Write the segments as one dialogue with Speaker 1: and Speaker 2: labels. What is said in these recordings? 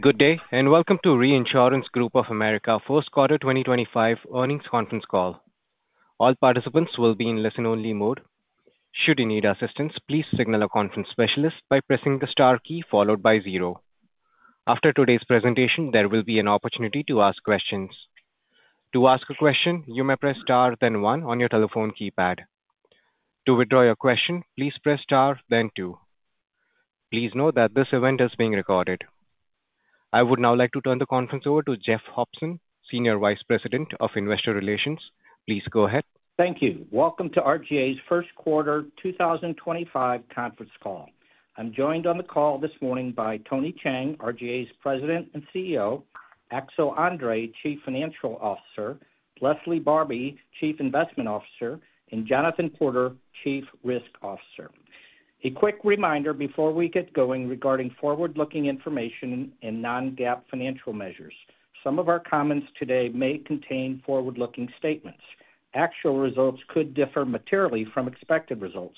Speaker 1: Good day, and welcome to Reinsurance Group of America Fourth Quarter 2025 earnings conference call. All participants will be in listen-only mode. Should you need assistance, please signal a conference specialist by pressing the star key followed by zero. After today's presentation, there will be an opportunity to ask questions. To ask a question, you may press star then one on your telephone keypad. To withdraw your question, please press star then two. Please note that this event is being recorded. I would now like to turn the conference over to Jeff Hopson, Senior Vice President of Investor Relations. Please go ahead.
Speaker 2: Thank you. Welcome to RGA's First Quarter 2025 conference call. I'm joined on the call this morning by Tony Cheng, RGA's President and CEO, Axel André, Chief Financial Officer, Leslie Barbi, Chief Investment Officer, and Jonathan Porter, Chief Risk Officer. A quick reminder before we get going regarding forward-looking information in non-GAAP financial measures. Some of our comments today may contain forward-looking statements. Actual results could differ materially from expected results.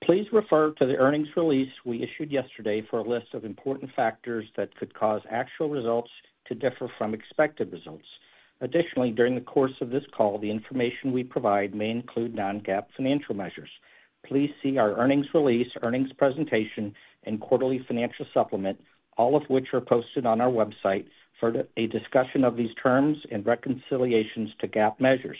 Speaker 2: Please refer to the earnings release we issued yesterday for a list of important factors that could cause actual results to differ from expected results. Additionally, during the course of this call, the information we provide may include non-GAAP financial measures. Please see our earnings release, earnings presentation, and quarterly financial supplement, all of which are posted on our website for a discussion of these terms and reconciliations to GAAP measures.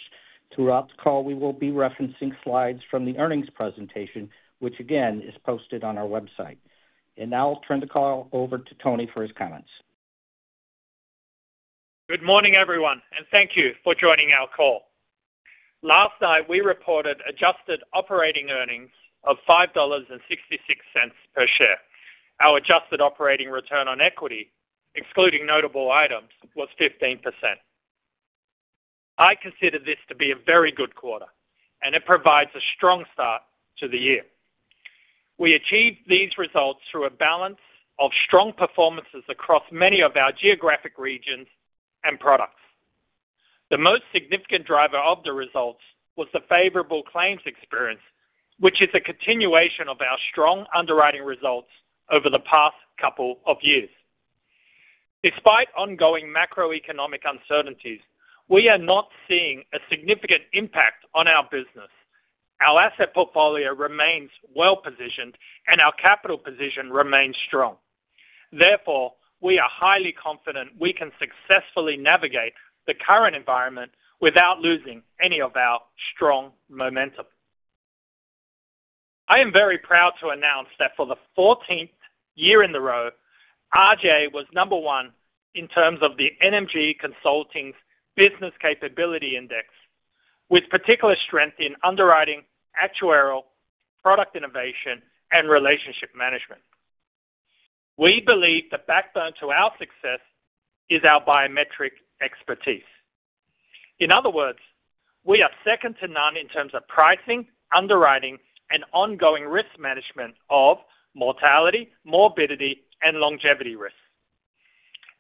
Speaker 2: Throughout the call, we will be referencing slides from the earnings presentation, which again is posted on our website. I will now turn the call over to Tony for his comments.
Speaker 3: Good morning, everyone, and thank you for joining our call. Last night, we reported adjusted operating earnings of $5.66 per share. Our adjusted operating return on equity, excluding notable items, was 15%. I consider this to be a very good quarter, and it provides a strong start to the year. We achieved these results through a balance of strong performances across many of our geographic regions and products. The most significant driver of the results was the favorable claims experience, which is a continuation of our strong underwriting results over the past couple of years. Despite ongoing macroeconomic uncertainties, we are not seeing a significant impact on our business. Our asset portfolio remains well-positioned, and our capital position remains strong. Therefore, we are highly confident we can successfully navigate the current environment without losing any of our strong momentum. I am very proud to announce that for the 14th year in a row, RGA was number one in terms of the NMG Consulting's Business Capability Index, with particular strength in underwriting, actuarial, product innovation, and relationship management. We believe the backbone to our success is our biometric expertise. In other words, we are second to none in terms of pricing, underwriting, and ongoing risk management of mortality, morbidity, and longevity risks.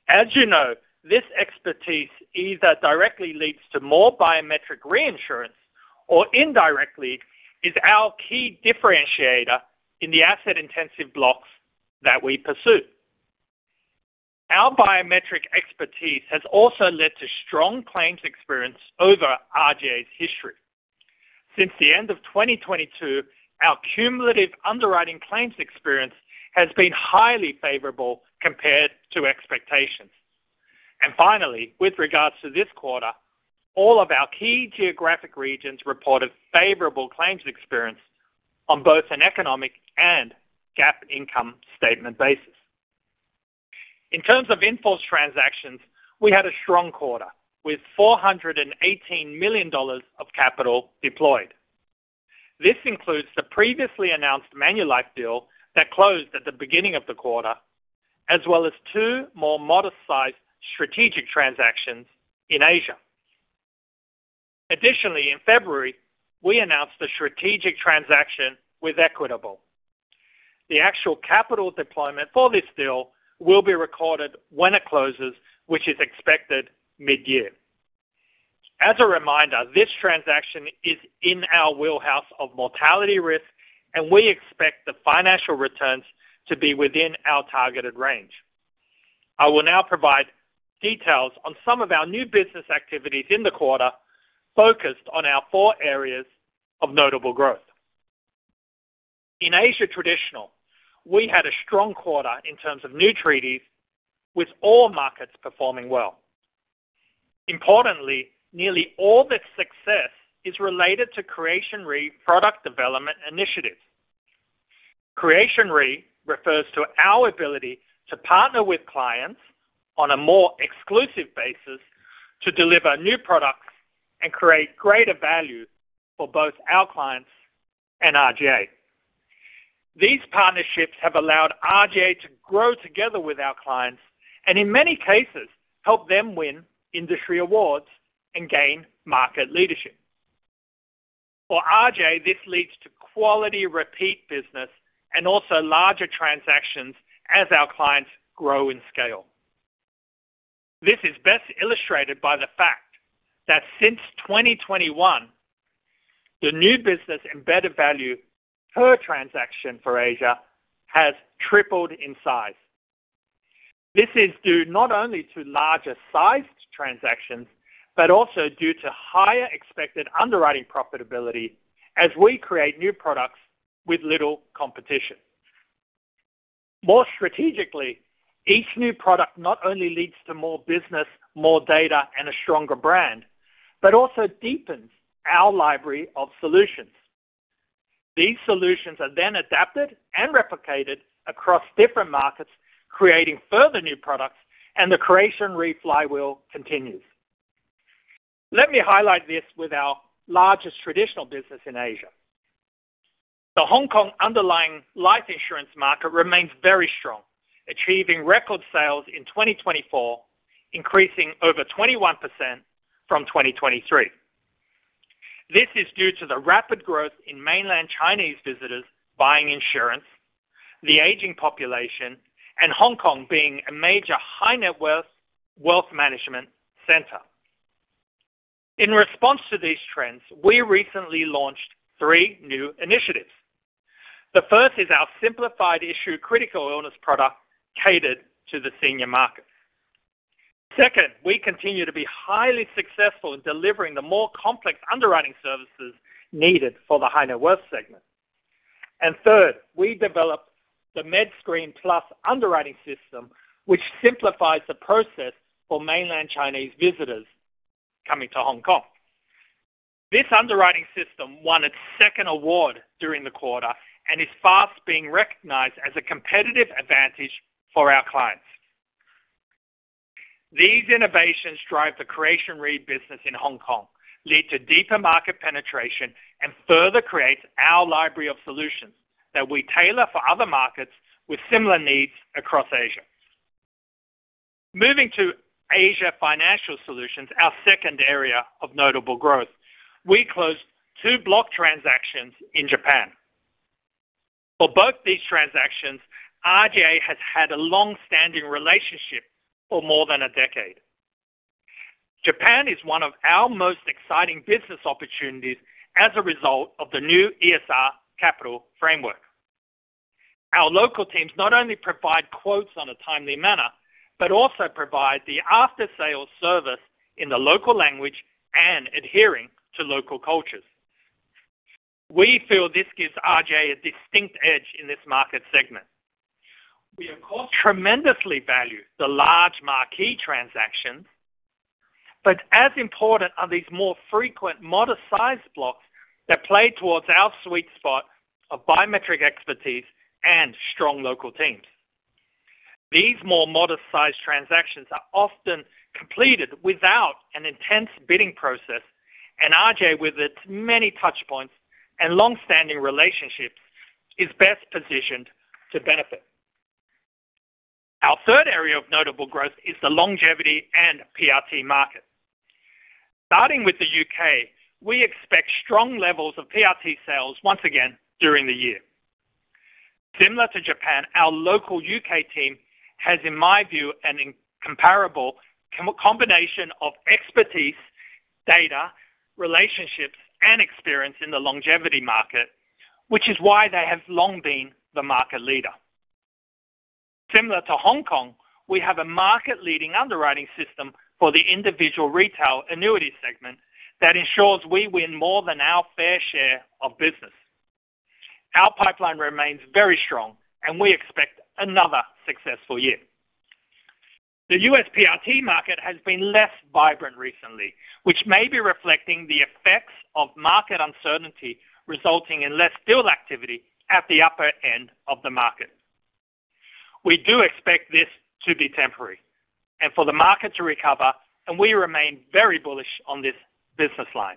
Speaker 3: As you know, this expertise either directly leads to more biometric reinsurance or indirectly is our key differentiator in the asset-intensive blocks that we pursue. Our biometric expertise has also led to strong claims experience over RGA's history. Since the end of 2022, our cumulative underwriting claims experience has been highly favorable compared to expectations. Finally, with regards to this quarter, all of our key geographic regions reported favorable claims experience on both an economic and GAAP income statement basis. In terms of in-force transactions, we had a strong quarter with $418 million of capital deployed. This includes the previously announced Manulife deal that closed at the beginning of the quarter, as well as two more modest-sized strategic transactions in Asia. Additionally, in February, we announced a strategic transaction with Equitable. The actual capital deployment for this deal will be recorded when it closes, which is expected mid-year. As a reminder, this transaction is in our wheelhouse of mortality risk, and we expect the financial returns to be within our targeted range. I will now provide details on some of our new business activities in the quarter focused on our four areas of notable growth. In Asia traditional, we had a strong quarter in terms of new treaties, with all markets performing well. Importantly, nearly all this success is related to Creation Re product development initiatives. Creation Re refers to our ability to partner with clients on a more exclusive basis to deliver new products and create greater value for both our clients and RGA. These partnerships have allowed RGA to grow together with our clients and, in many cases, help them win industry awards and gain market leadership. For RGA, this leads to quality repeat business and also larger transactions as our clients grow in scale. This is best illustrated by the fact that since 2021, the new business embedded value per transaction for Asia has tripled in size. This is due not only to larger-sized transactions but also due to higher expected underwriting profitability as we create new products with little competition. More strategically, each new product not only leads to more business, more data, and a stronger brand but also deepens our library of solutions. These solutions are then adapted and replicated across different markets, creating further new products, and the Creation Re flywheel continues. Let me highlight this with our largest traditional business in Asia. The Hong Kong underlying life insurance market remains very strong, achieving record sales in 2024, increasing over 21% from 2023. This is due to the rapid growth in mainland Chinese visitors buying insurance, the aging population, and Hong Kong being a major high-net-worth wealth management center. In response to these trends, we recently launched three new initiatives. The first is our Simplified Issue Critical Illness Product catered to the senior market. Second, we continue to be highly successful in delivering the more complex underwriting services needed for the high-net-worth segment. Third, we developed the Medscreen Plus underwriting system, which simplifies the process for mainland Chinese visitors coming to Hong Kong. This underwriting system won its second award during the quarter and is fast being recognized as a competitive advantage for our clients. These innovations drive the Creation Re business in Hong Kong, lead to deeper market penetration, and further create our library of solutions that we tailor for other markets with similar needs across Asia. Moving to Asia financial solutions, our second area of notable growth, we closed two block transactions in Japan. For both these transactions, RGA has had a long-standing relationship for more than a decade. Japan is one of our most exciting business opportunities as a result of the new ESR capital framework. Our local teams not only provide quotes on a timely manner but also provide the after-sales service in the local language and adhering to local cultures. We feel this gives RGA a distinct edge in this market segment. We of course tremendously value the large marquee transactions, but as important are these more frequent modest-sized blocks that play towards our sweet spot of biometric expertise and strong local teams. These more modest-sized transactions are often completed without an intense bidding process, and RGA, with its many touchpoints and long-standing relationships, is best positioned to benefit. Our third area of notable growth is the longevity and PRT market. Starting with the U.K., we expect strong levels of PRT sales once again during the year. Similar to Japan, our local U.K. team has, in my view, an incomparable combination of expertise, data, relationships, and experience in the longevity market, which is why they have long been the market leader. Similar to Hong Kong, we have a market-leading underwriting system for the individual retail annuity segment that ensures we win more than our fair share of business. Our pipeline remains very strong, and we expect another successful year. The U.S. PRT market has been less vibrant recently, which may be reflecting the effects of market uncertainty resulting in less deal activity at the upper end of the market. We do expect this to be temporary and for the market to recover, and we remain very bullish on this business line.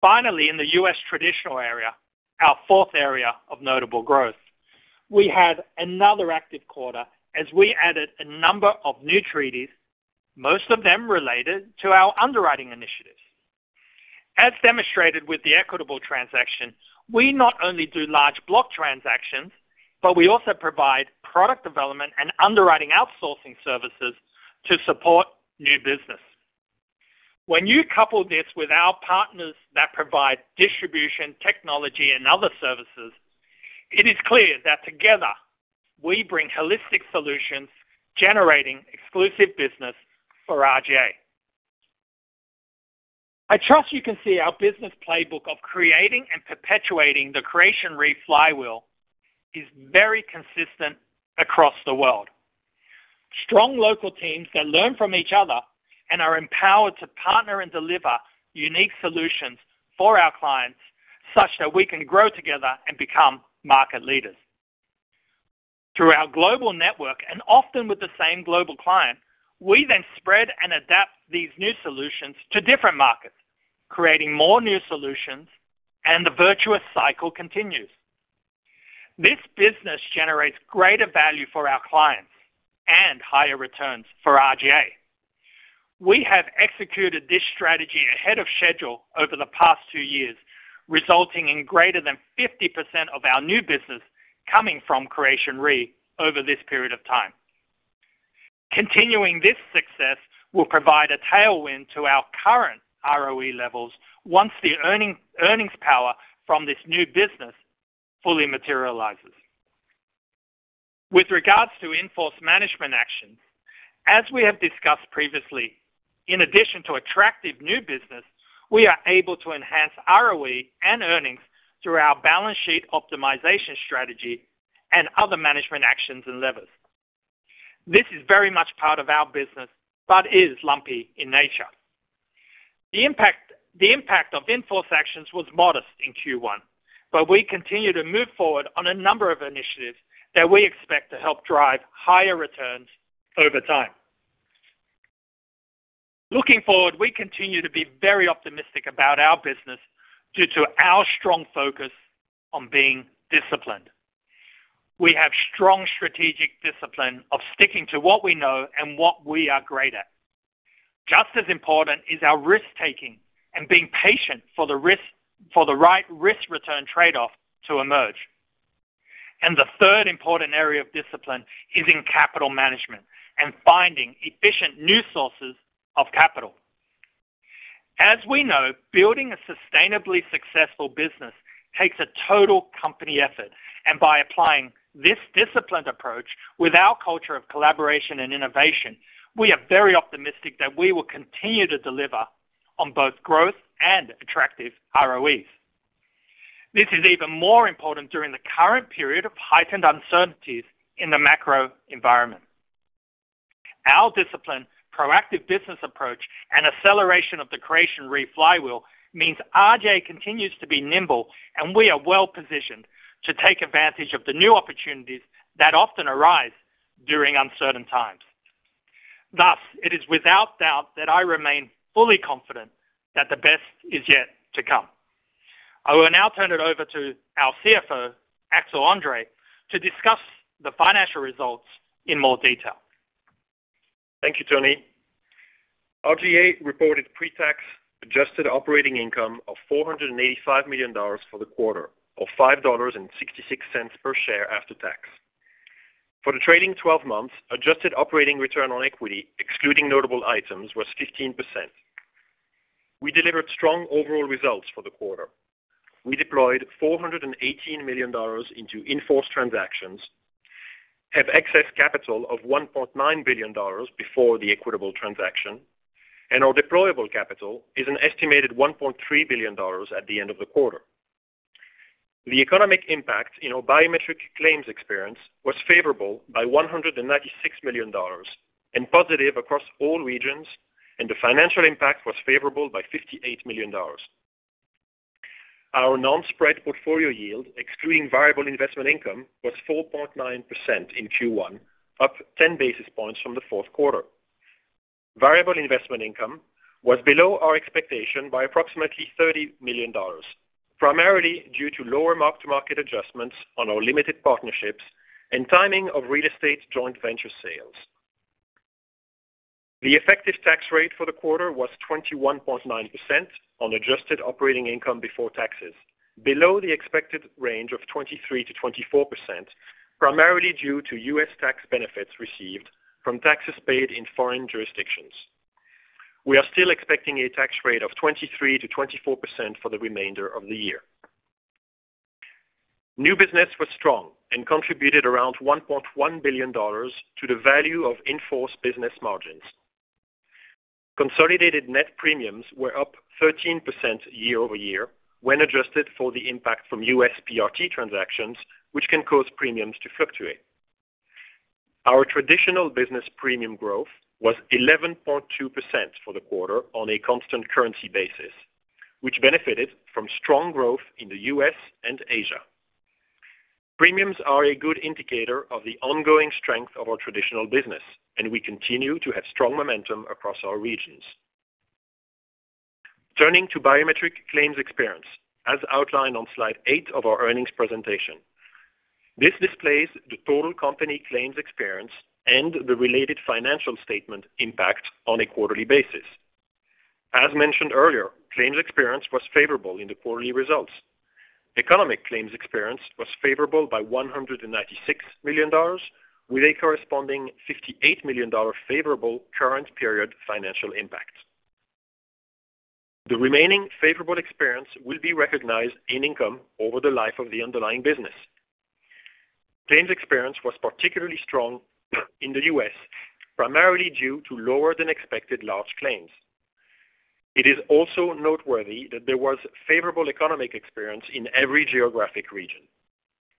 Speaker 3: Finally, in the U.S. traditional area, our fourth area of notable growth, we had another active quarter as we added a number of new treaties, most of them related to our underwriting initiatives. As demonstrated with the Equitable transaction, we not only do large block transactions, but we also provide product development and underwriting outsourcing services to support new business. When you couple this with our partners that provide distribution technology and other services, it is clear that together we bring holistic solutions generating exclusive business for RGA. I trust you can see our business playbook of creating and perpetuating the Creation Re flywheel is very consistent across the world. Strong local teams that learn from each other and are empowered to partner and deliver unique solutions for our clients such that we can grow together and become market leaders. Through our global network and often with the same global client, we then spread and adapt these new solutions to different markets, creating more new solutions, and the virtuous cycle continues. This business generates greater value for our clients and higher returns for RGA. We have executed this strategy ahead of schedule over the past two years, resulting in greater than 50% of our new business coming from Creation Re over this period of time. Continuing this success will provide a tailwind to our current ROE levels once the earnings power from this new business fully materializes. With regards to in-force management actions, as we have discussed previously, in addition to attractive new business, we are able to enhance ROE and earnings through our balance sheet optimization strategy and other management actions and levers. This is very much part of our business but is lumpy in nature. The impact of in-force actions was modest in Q1, but we continue to move forward on a number of initiatives that we expect to help drive higher returns over time. Looking forward, we continue to be very optimistic about our business due to our strong focus on being disciplined. We have strong strategic discipline of sticking to what we know and what we are great at. Just as important is our risk-taking and being patient for the right risk-return trade-off to emerge. The third important area of discipline is in capital management and finding efficient new sources of capital. As we know, building a sustainably successful business takes a total company effort, and by applying this disciplined approach with our culture of collaboration and innovation, we are very optimistic that we will continue to deliver on both growth and attractive ROEs. This is even more important during the current period of heightened uncertainties in the macro environment. Our disciplined, proactive business approach and acceleration of the Creation Re flywheel means RGA continues to be nimble, and we are well-positioned to take advantage of the new opportunities that often arise during uncertain times. Thus, it is without doubt that I remain fully confident that the best is yet to come. I will now turn it over to our CFO, Axel André, to discuss the financial results in more detail.
Speaker 4: Thank you, Tony. RGA reported pre-tax adjusted operating income of $485 million for the quarter, or $5.66 per share after tax. For the trailing 12 months, adjusted operating return on equity, excluding notable items, was 15%. We delivered strong overall results for the quarter. We deployed $418 million into in-force transactions, have excess capital of $1.9 billion before the Equitable transaction, and our deployable capital is an estimated $1.3 billion at the end of the quarter. The economic impact in our biometric claims experience was favorable by $196 million and positive across all regions, and the financial impact was favorable by $58 million. Our non-spread portfolio yield, excluding variable investment income, was 4.9% in Q1, up 10 basis points from the fourth quarter. Variable investment income was below our expectation by approximately $30 million, primarily due to lower mark-to-market adjustments on our limited partnerships and timing of real estate joint venture sales. The effective tax rate for the quarter was 21.9% on adjusted operating income before taxes, below the expected range of 23%-24%, primarily due to US tax benefits received from taxes paid in foreign jurisdictions. We are still expecting a tax rate of 23%-24% for the remainder of the year. New business was strong and contributed around $1.1 billion to the value of in-force business margins. Consolidated net premiums were up 13% year over year when adjusted for the impact from US PRT transactions, which can cause premiums to fluctuate. Our traditional business premium growth was 11.2% for the quarter on a constant currency basis, which benefited from strong growth in the US and Asia. Premiums are a good indicator of the ongoing strength of our traditional business, and we continue to have strong momentum across our regions. Turning to biometric claims experience, as outlined on slide 8 of our earnings presentation, this displays the total company claims experience and the related financial statement impact on a quarterly basis. As mentioned earlier, claims experience was favorable in the quarterly results. Economic claims experience was favorable by $196 million, with a corresponding $58 million favorable current-period financial impact. The remaining favorable experience will be recognized in income over the life of the underlying business. Claims experience was particularly strong in the U.S., primarily due to lower-than-expected large claims. It is also noteworthy that there was favorable economic experience in every geographic region.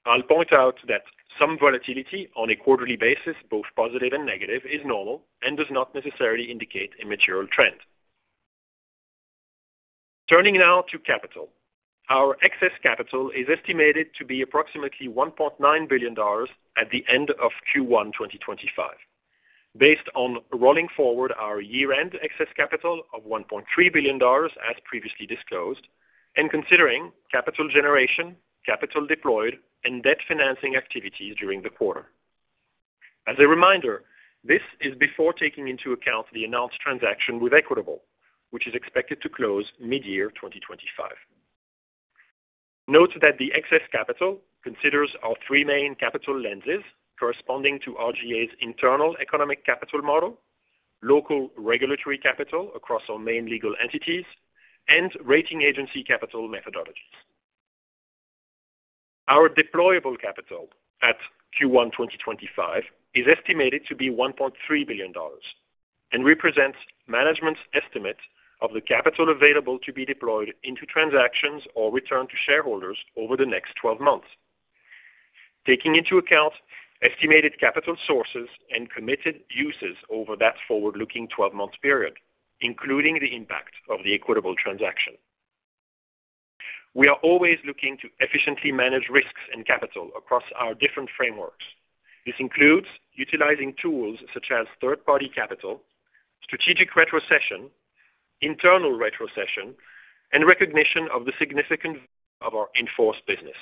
Speaker 4: I'll point out that some volatility on a quarterly basis, both positive and negative, is normal and does not necessarily indicate a material trend. Turning now to capital, our excess capital is estimated to be approximately $1.9 billion at the end of Q1 2025, based on rolling forward our year-end excess capital of $1.3 billion, as previously disclosed, and considering capital generation, capital deployed, and debt financing activities during the quarter. As a reminder, this is before taking into account the announced transaction with Equitable, which is expected to close mid-year 2025. Note that the excess capital considers our three main capital lenses corresponding to RGA's internal economic capital model, local regulatory capital across our main legal entities, and rating agency capital methodologies. Our deployable capital at Q1 2025 is estimated to be $1.3 billion and represents management's estimate of the capital available to be deployed into transactions or returned to shareholders over the next 12 months, taking into account estimated capital sources and committed uses over that forward-looking 12-month period, including the impact of the Equitable transaction. We are always looking to efficiently manage risks and capital across our different frameworks. This includes utilizing tools such as third-party capital, strategic retrocession, internal retrocession, and recognition of the significance of our in-force business.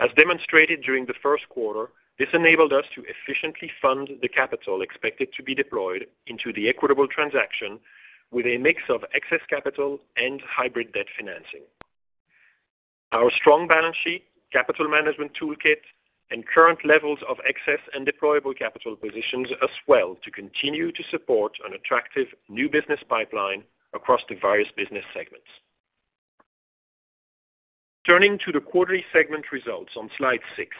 Speaker 4: As demonstrated during the first quarter, this enabled us to efficiently fund the capital expected to be deployed into the Equitable transaction with a mix of excess capital and hybrid debt financing. Our strong balance sheet, capital management toolkit, and current levels of excess and deployable capital positions us well to continue to support an attractive new business pipeline across the various business segments. Turning to the quarterly segment results on slide 6,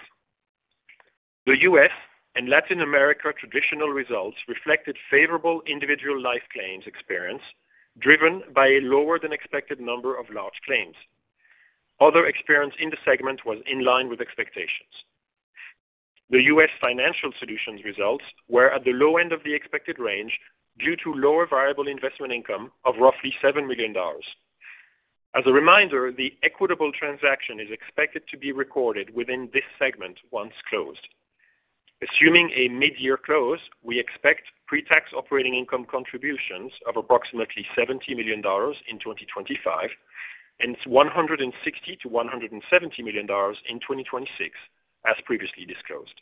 Speaker 4: the US and Latin America traditional results reflected favorable individual life claims experience driven by a lower-than-expected number of large claims. Other experience in the segment was in line with expectations. The US financial solutions results were at the low end of the expected range due to lower variable investment income of roughly $7 million. As a reminder, the Equitable transaction is expected to be recorded within this segment once closed. Assuming a mid-year close, we expect pre-tax operating income contributions of approximately $70 million in 2025 and $160-$170 million in 2026, as previously disclosed.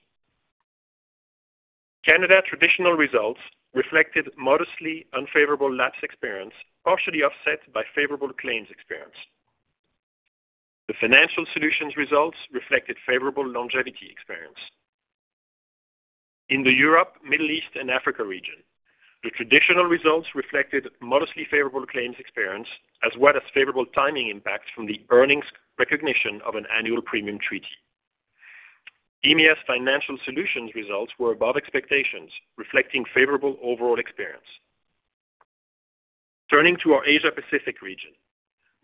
Speaker 4: Canada traditional results reflected modestly unfavorable lapse experience, partially offset by favorable claims experience. The financial solutions results reflected favorable longevity experience. In the Europe, Middle East, and Africa region, the traditional results reflected modestly favorable claims experience, as well as favorable timing impacts from the earnings recognition of an annual premium treaty. EMEA's financial solutions results were above expectations, reflecting favorable overall experience. Turning to our Asia-Pacific region,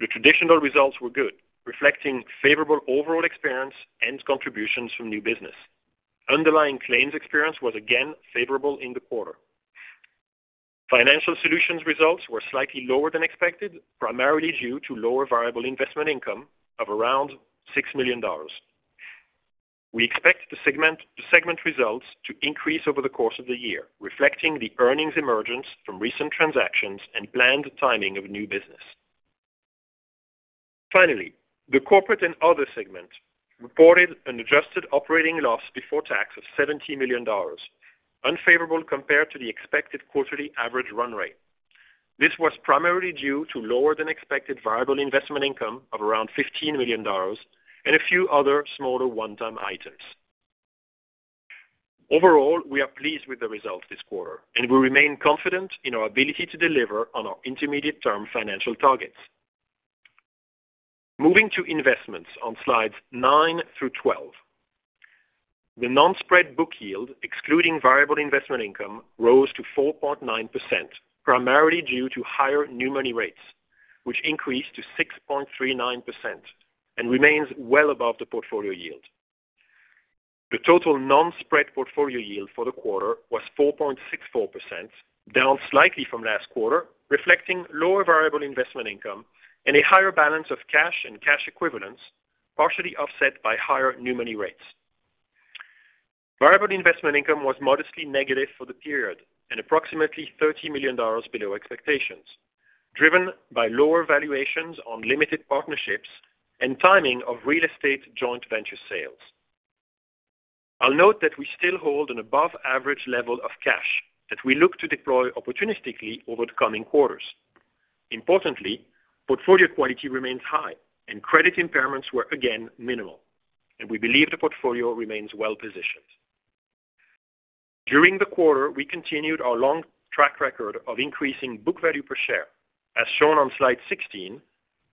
Speaker 4: the traditional results were good, reflecting favorable overall experience and contributions from new business. Underlying claims experience was again favorable in the quarter. Financial solutions results were slightly lower than expected, primarily due to lower variable investment income of around $6 million. We expect the segment results to increase over the course of the year, reflecting the earnings emergence from recent transactions and planned timing of new business. Finally, the corporate and other segment reported an adjusted operating loss before tax of $70 million, unfavorable compared to the expected quarterly average run rate. This was primarily due to lower-than-expected variable investment income of around $15 million and a few other smaller one-time items. Overall, we are pleased with the results this quarter, and we remain confident in our ability to deliver on our intermediate-term financial targets. Moving to investments on slides 9 through 12, the non-spread book yield, excluding variable investment income, rose to 4.9%, primarily due to higher new money rates, which increased to 6.39% and remains well above the portfolio yield. The total non-spread portfolio yield for the quarter was 4.64%, down slightly from last quarter, reflecting lower variable investment income and a higher balance of cash and cash equivalents, partially offset by higher new money rates. Variable investment income was modestly negative for the period and approximately $30 million below expectations, driven by lower valuations on limited partnerships and timing of real estate joint venture sales. I'll note that we still hold an above-average level of cash that we look to deploy opportunistically over the coming quarters. Importantly, portfolio quality remains high, and credit impairments were again minimal, and we believe the portfolio remains well-positioned. During the quarter, we continued our long track record of increasing book value per share. As shown on slide 16,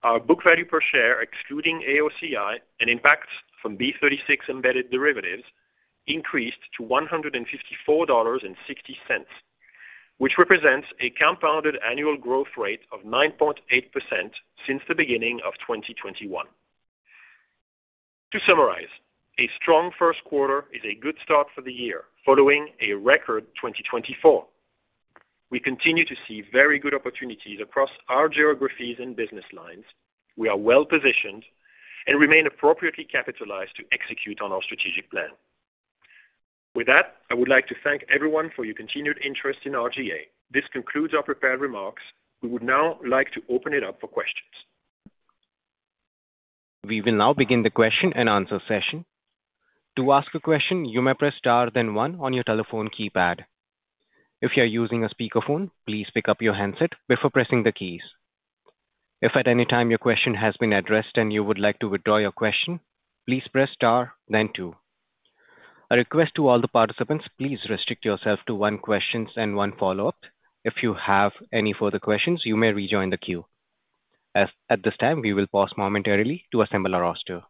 Speaker 4: our book value per share, excluding AOCI and impacts from B36 embedded derivatives, increased to $154.60, which represents a compounded annual growth rate of 9.8% since the beginning of 2021. To summarize, a strong first quarter is a good start for the year, following a record 2024. We continue to see very good opportunities across our geographies and business lines. We are well-positioned and remain appropriately capitalized to execute on our strategic plan. With that, I would like to thank everyone for your continued interest in RGA. This concludes our prepared remarks. We would now like to open it up for questions.
Speaker 1: We will now begin the question and answer session. To ask a question, you may press * then 1 on your telephone keypad. If you are using a speakerphone, please pick up your handset before pressing the keys. If at any time your question has been addressed and you would like to withdraw your question, please press * then 2. A request to all the participants, please restrict yourself to one question and one follow-up. If you have any further questions, you may rejoin the queue. At this time, we will pause momentarily to assemble our roster.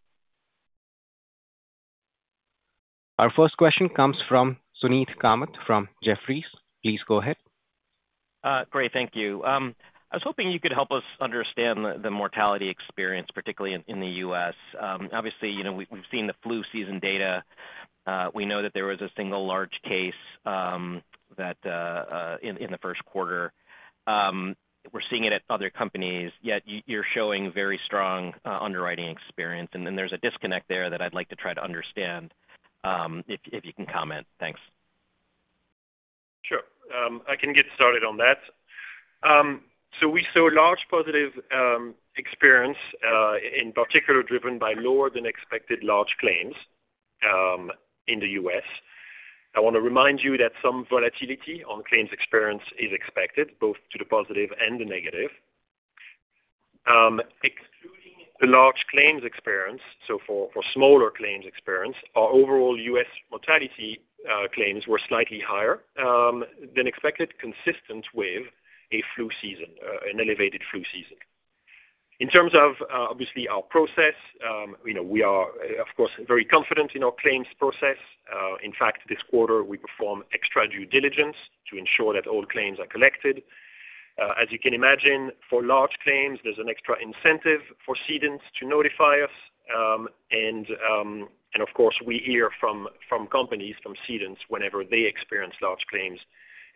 Speaker 1: Our first question comes from Suneet Kamath from Jefferies. Please go ahead.
Speaker 5: Great. Thank you. I was hoping you could help us understand the mortality experience, particularly in the U.S. Obviously, we've seen the flu season data. We know that there was a single large case in the first quarter. We're seeing it at other companies, yet you're showing very strong underwriting experience. There is a disconnect there that I'd like to try to understand if you can comment. Thanks.
Speaker 4: Sure. I can get started on that. We saw large positive experience, in particular driven by lower-than-expected large claims in the US. I want to remind you that some volatility on claims experience is expected, both to the positive and the negative. Excluding the large claims experience, so for smaller claims experience, our overall US mortality claims were slightly higher than expected, consistent with an elevated flu season. In terms of, obviously, our process, we are, of course, very confident in our claims process. In fact, this quarter, we perform extra due diligence to ensure that all claims are collected. As you can imagine, for large claims, there is an extra incentive for ceding companies to notify us.
Speaker 5: Of course, we hear from companies, from ceding companies, whenever they experience large claims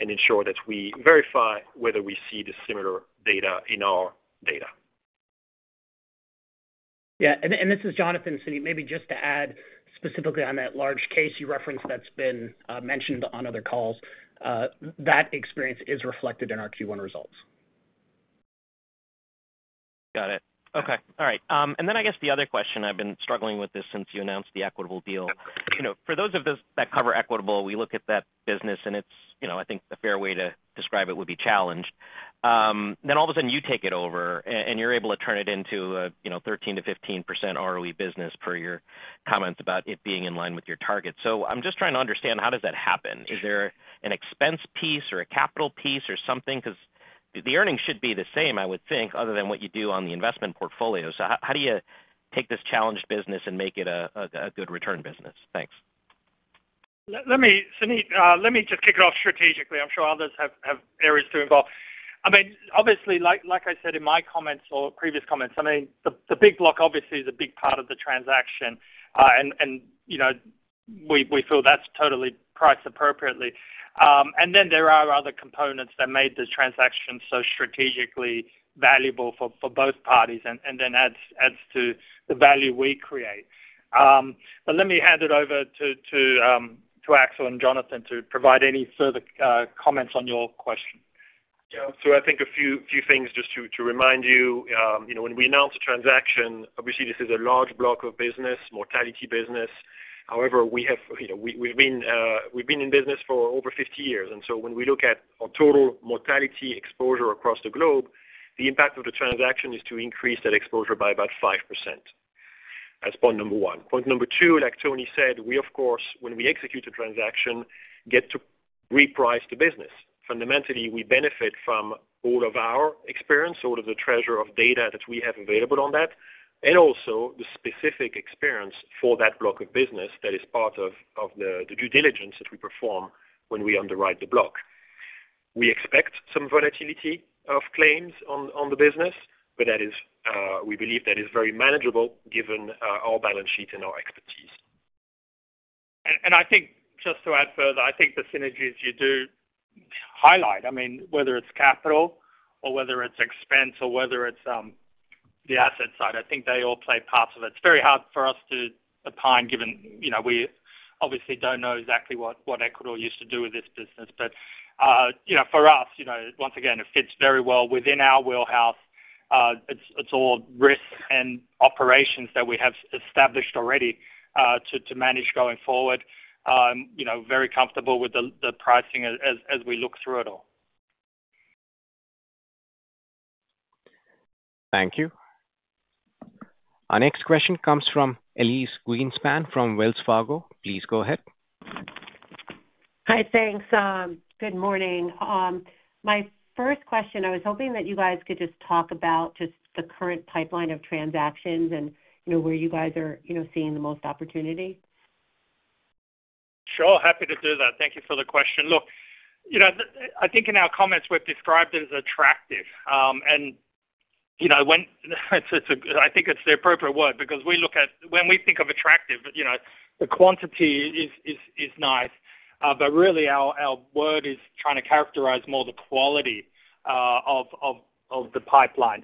Speaker 5: and ensure that we verify whether we see the similar data in our data.
Speaker 6: Yeah. This is Jonathan. Maybe just to add specifically on that large case you referenced that's been mentioned on other calls, that experience is reflected in our Q1 results.
Speaker 5: Got it. Okay. All right. I guess the other question, I've been struggling with this since you announced the Equitable deal. For those of us that cover Equitable, we look at that business, and I think a fair way to describe it would be challenged. All of a sudden, you take it over, and you're able to turn it into a 13-15% ROE business per your comments about it being in line with your target. I'm just trying to understand, how does that happen? Is there an expense piece or a capital piece or something? Because the earnings should be the same, I would think, other than what you do on the investment portfolio. So how do you take this challenged business and make it a good return business? Thanks.
Speaker 3: Suneet, let me just kick it off strategically. I'm sure others have areas to involve. I mean, obviously, like I said in my comments or previous comments, I mean, the big block obviously is a big part of the transaction, and we feel that's totally priced appropriately. And then there are other components that made the transaction so strategically valuable for both parties and then adds to the value we create. But let me hand it over to Axel and Jonathan to provide any further comments on your question.
Speaker 6: Yeah. So I think a few things just to remind you. When we announce a transaction, obviously, this is a large block of business, mortality business. However, we've been in business for over 50 years. When we look at our total mortality exposure across the globe, the impact of the transaction is to increase that exposure by about 5%. That's point number one. Point number two, like Tony said, we, of course, when we execute a transaction, get to reprice the business. Fundamentally, we benefit from all of our experience, all of the treasure of data that we have available on that, and also the specific experience for that block of business that is part of the due diligence that we perform when we underwrite the block. We expect some volatility of claims on the business, but we believe that is very manageable given our balance sheet and our expertise. I think just to add further, I think the synergies you do highlight, I mean, whether it's capital or whether it's expense or whether it's the asset side, I think they all play parts of it. It's very hard for us to opine given we obviously don't know exactly what Equitable used to do with this business. For us, once again, it fits very well within our wheelhouse. It's all risk and operations that we have established already to manage going forward. Very comfortable with the pricing as we look through it all.
Speaker 1: Thank you. Our next question comes from Elyse Greenspan from Wells Fargo. Please go ahead.
Speaker 7: Hi. Thanks. Good morning. My first question, I was hoping that you guys could just talk about just the current pipeline of transactions and where you guys are seeing the most opportunity. Sure. Happy to do that.
Speaker 3: Thank you for the question. Look, I think in our comments, we've described it as attractive. I think it's the appropriate word because when we think of attractive, the quantity is nice. Really, our word is trying to characterize more the quality of the pipeline.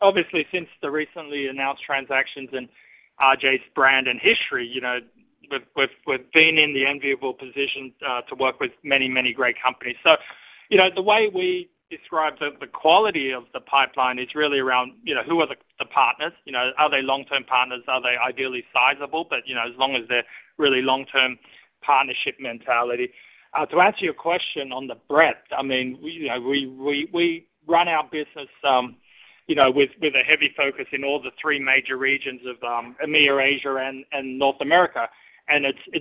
Speaker 3: Obviously, since the recently announced transactions and RGA's brand and history, we've been in the enviable position to work with many, many great companies. The way we describe the quality of the pipeline is really around who are the partners. Are they long-term partners? Are they ideally sizable? As long as they're really long-term partnership mentality. To answer your question on the breadth, I mean, we run our business with a heavy focus in all the three major regions of EMEA, Asia, and North America.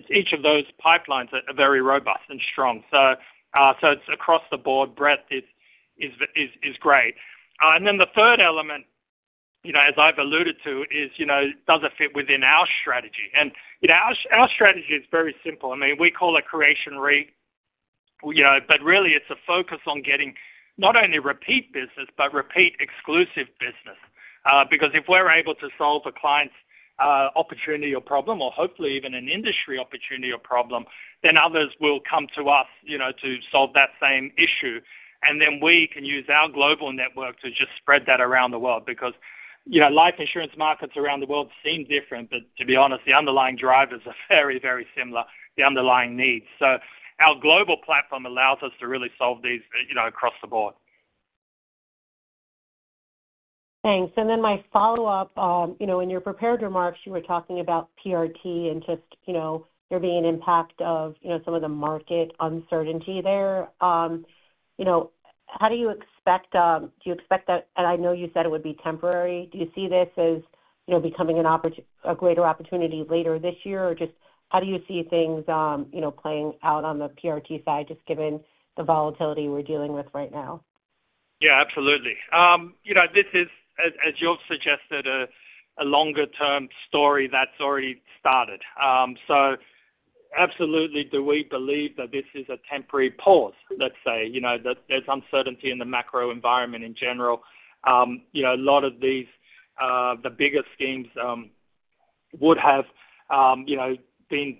Speaker 3: Each of those pipelines are very robust and strong. It's across the board. Breadth is great. The third element, as I've alluded to, is does it fit within our strategy? Our strategy is very simple. I mean, we call it Creation Re, but really, it's a focus on getting not only repeat business but repeat exclusive business. Because if we're able to solve a client's opportunity or problem or hopefully even an industry opportunity or problem, others will come to us to solve that same issue. We can use our global network to just spread that around the world because life insurance markets around the world seem different. To be honest, the underlying drivers are very, very similar, the underlying needs. Our global platform allows us to really solve these across the board.
Speaker 7: Thanks. My follow-up, in your prepared remarks, you were talking about PRT and just there being an impact of some of the market uncertainty there. How do you expect, do you expect that? I know you said it would be temporary. Do you see this as becoming a greater opportunity later this year? Or just how do you see things playing out on the PRT side, just given the volatility we're dealing with right now?
Speaker 3: Yeah. Absolutely. This is, as you've suggested, a longer-term story that's already started. Absolutely, we believe that this is a temporary pause, let's say, that there's uncertainty in the macro environment in general. A lot of the bigger schemes would have been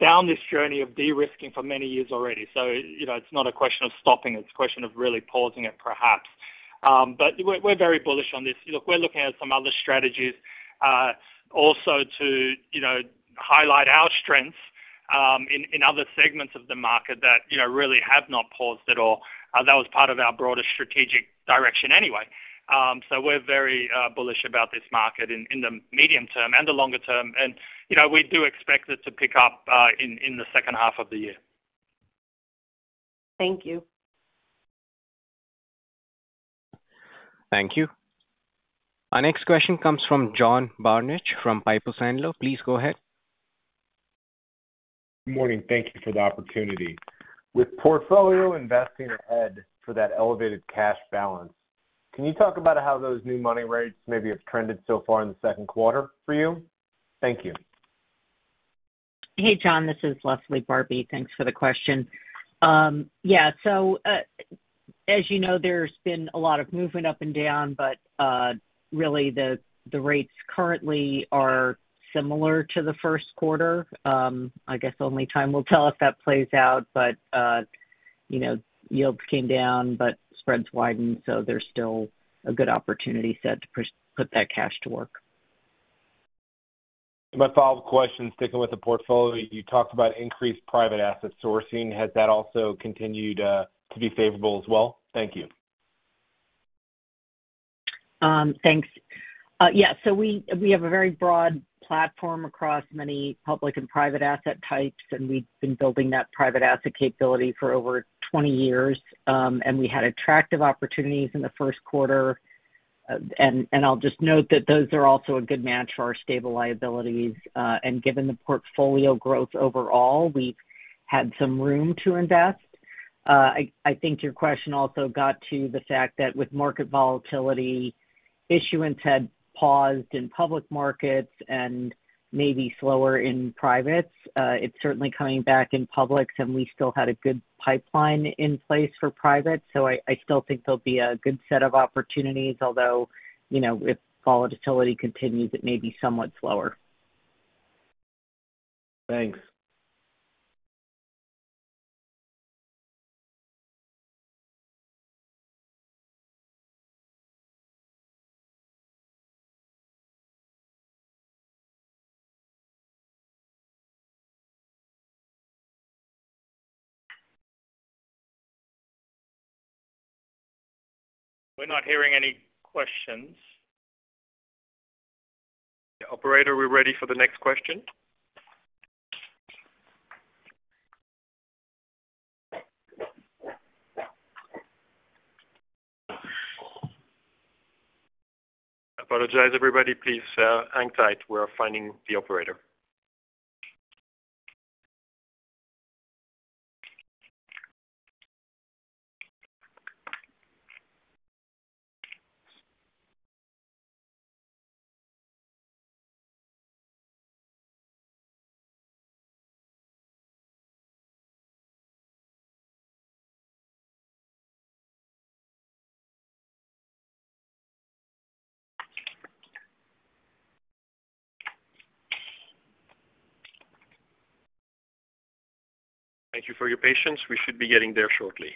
Speaker 3: down this journey of de-risking for many years already. It's not a question of stopping. It's a question of really pausing it, perhaps. We're very bullish on this. Look, we're looking at some other strategies also to highlight our strengths in other segments of the market that really have not paused at all. That was part of our broader strategic direction anyway. We're very bullish about this market in the medium term and the longer term. We do expect it to pick up in the second half of the year.
Speaker 7: Thank you.
Speaker 1: Thank you. Our next question comes from John Barnidge from Piper Sandler. Please go ahead.
Speaker 8: Good morning. Thank you for the opportunity. With portfolio investing ahead for that elevated cash balance, can you talk about how those new money rates maybe have trended so far in the second quarter for you? Thank you.
Speaker 9: Hey, John. This is Leslie Barbi. Thanks for the question. Yeah. As you know, there's been a lot of movement up and down, but really, the rates currently are similar to the first quarter. I guess only time will tell if that plays out. Yields came down, but spreads widened, so there's still a good opportunity set to put that cash to work.
Speaker 8: My follow-up question, sticking with the portfolio, you talked about increased private asset sourcing. Has that also continued to be favorable as well? Thank you.
Speaker 9: Thanks. Yeah. We have a very broad platform across many public and private asset types, and we've been building that private asset capability for over 20 years. We had attractive opportunities in the first quarter. I'll just note that those are also a good match for our stable liabilities. Given the portfolio growth overall, we've had some room to invest. I think your question also got to the fact that with market volatility, issuance had paused in public markets and maybe slower in privates. It is certainly coming back in public, and we still had a good pipeline in place for private. I still think there will be a good set of opportunities, although if volatility continues, it may be somewhat slower.
Speaker 8: Thanks.
Speaker 1: We are not hearing any questions.
Speaker 3: Operator, are we ready for the next question?
Speaker 2: Apologize, everybody. Please hang tight. We are finding the operator. Thank you for your patience. We should be getting there shortly.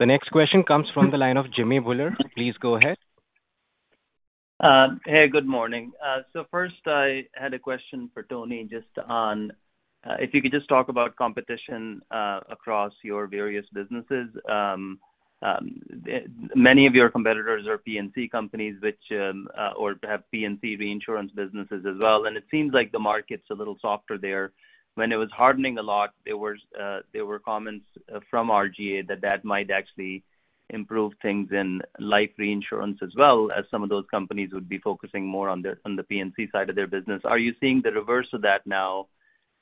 Speaker 1: The next question comes from the line of Jimmy Bhullar. Please go ahead.
Speaker 10: Hey. Good morning. First, I had a question for Tony just on if you could just talk about competition across your various businesses. Many of your competitors are P&C companies or have P&C reinsurance businesses as well. It seems like the market's a little softer there. When it was hardening a lot, there were comments from RGA that that might actually improve things in life reinsurance as well, as some of those companies would be focusing more on the P&C side of their business. Are you seeing the reverse of that now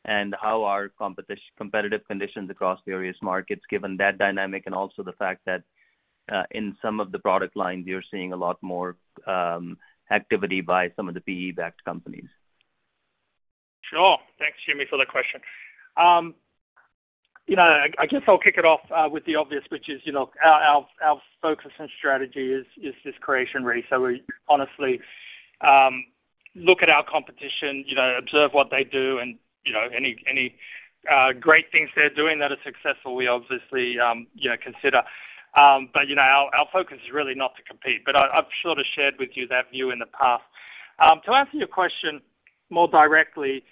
Speaker 10: and how are competitive conditions across various markets given that dynamic and also the fact that in some of the product lines, you're seeing a lot more activity by some of the PE-backed companies?
Speaker 3: Sure. Thanks, Jimmy, for the question. I guess I'll kick it off with the obvious, which is our focus and strategy is this Creation Re. We honestly look at our competition, observe what they do, and any great things they're doing that are successful, we obviously consider. Our focus is really not to compete. I have sort of shared with you that view in the past. To answer your question more directly,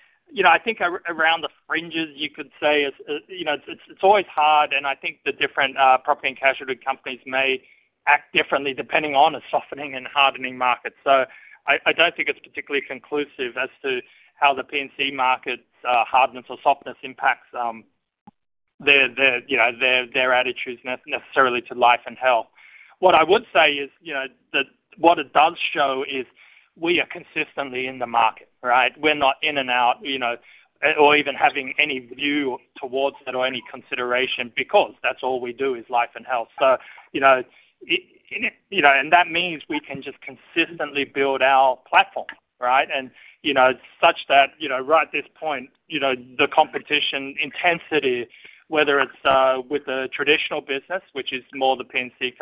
Speaker 3: I think around the fringes, you could say it's always hard. I think the different property and casualty companies may act differently depending on a softening and hardening market. I do not think it's particularly conclusive as to how the P&C market's hardness or softness impacts their attitudes necessarily to life and health. What I would say is that what it does show is we are consistently in the market, right? We are not in and out or even having any view towards that or any consideration because that's all we do is life and health. That means we can just consistently build our platform, right? Such that right at this point, the competition intensity, whether it is with the traditional business, which is more the P&C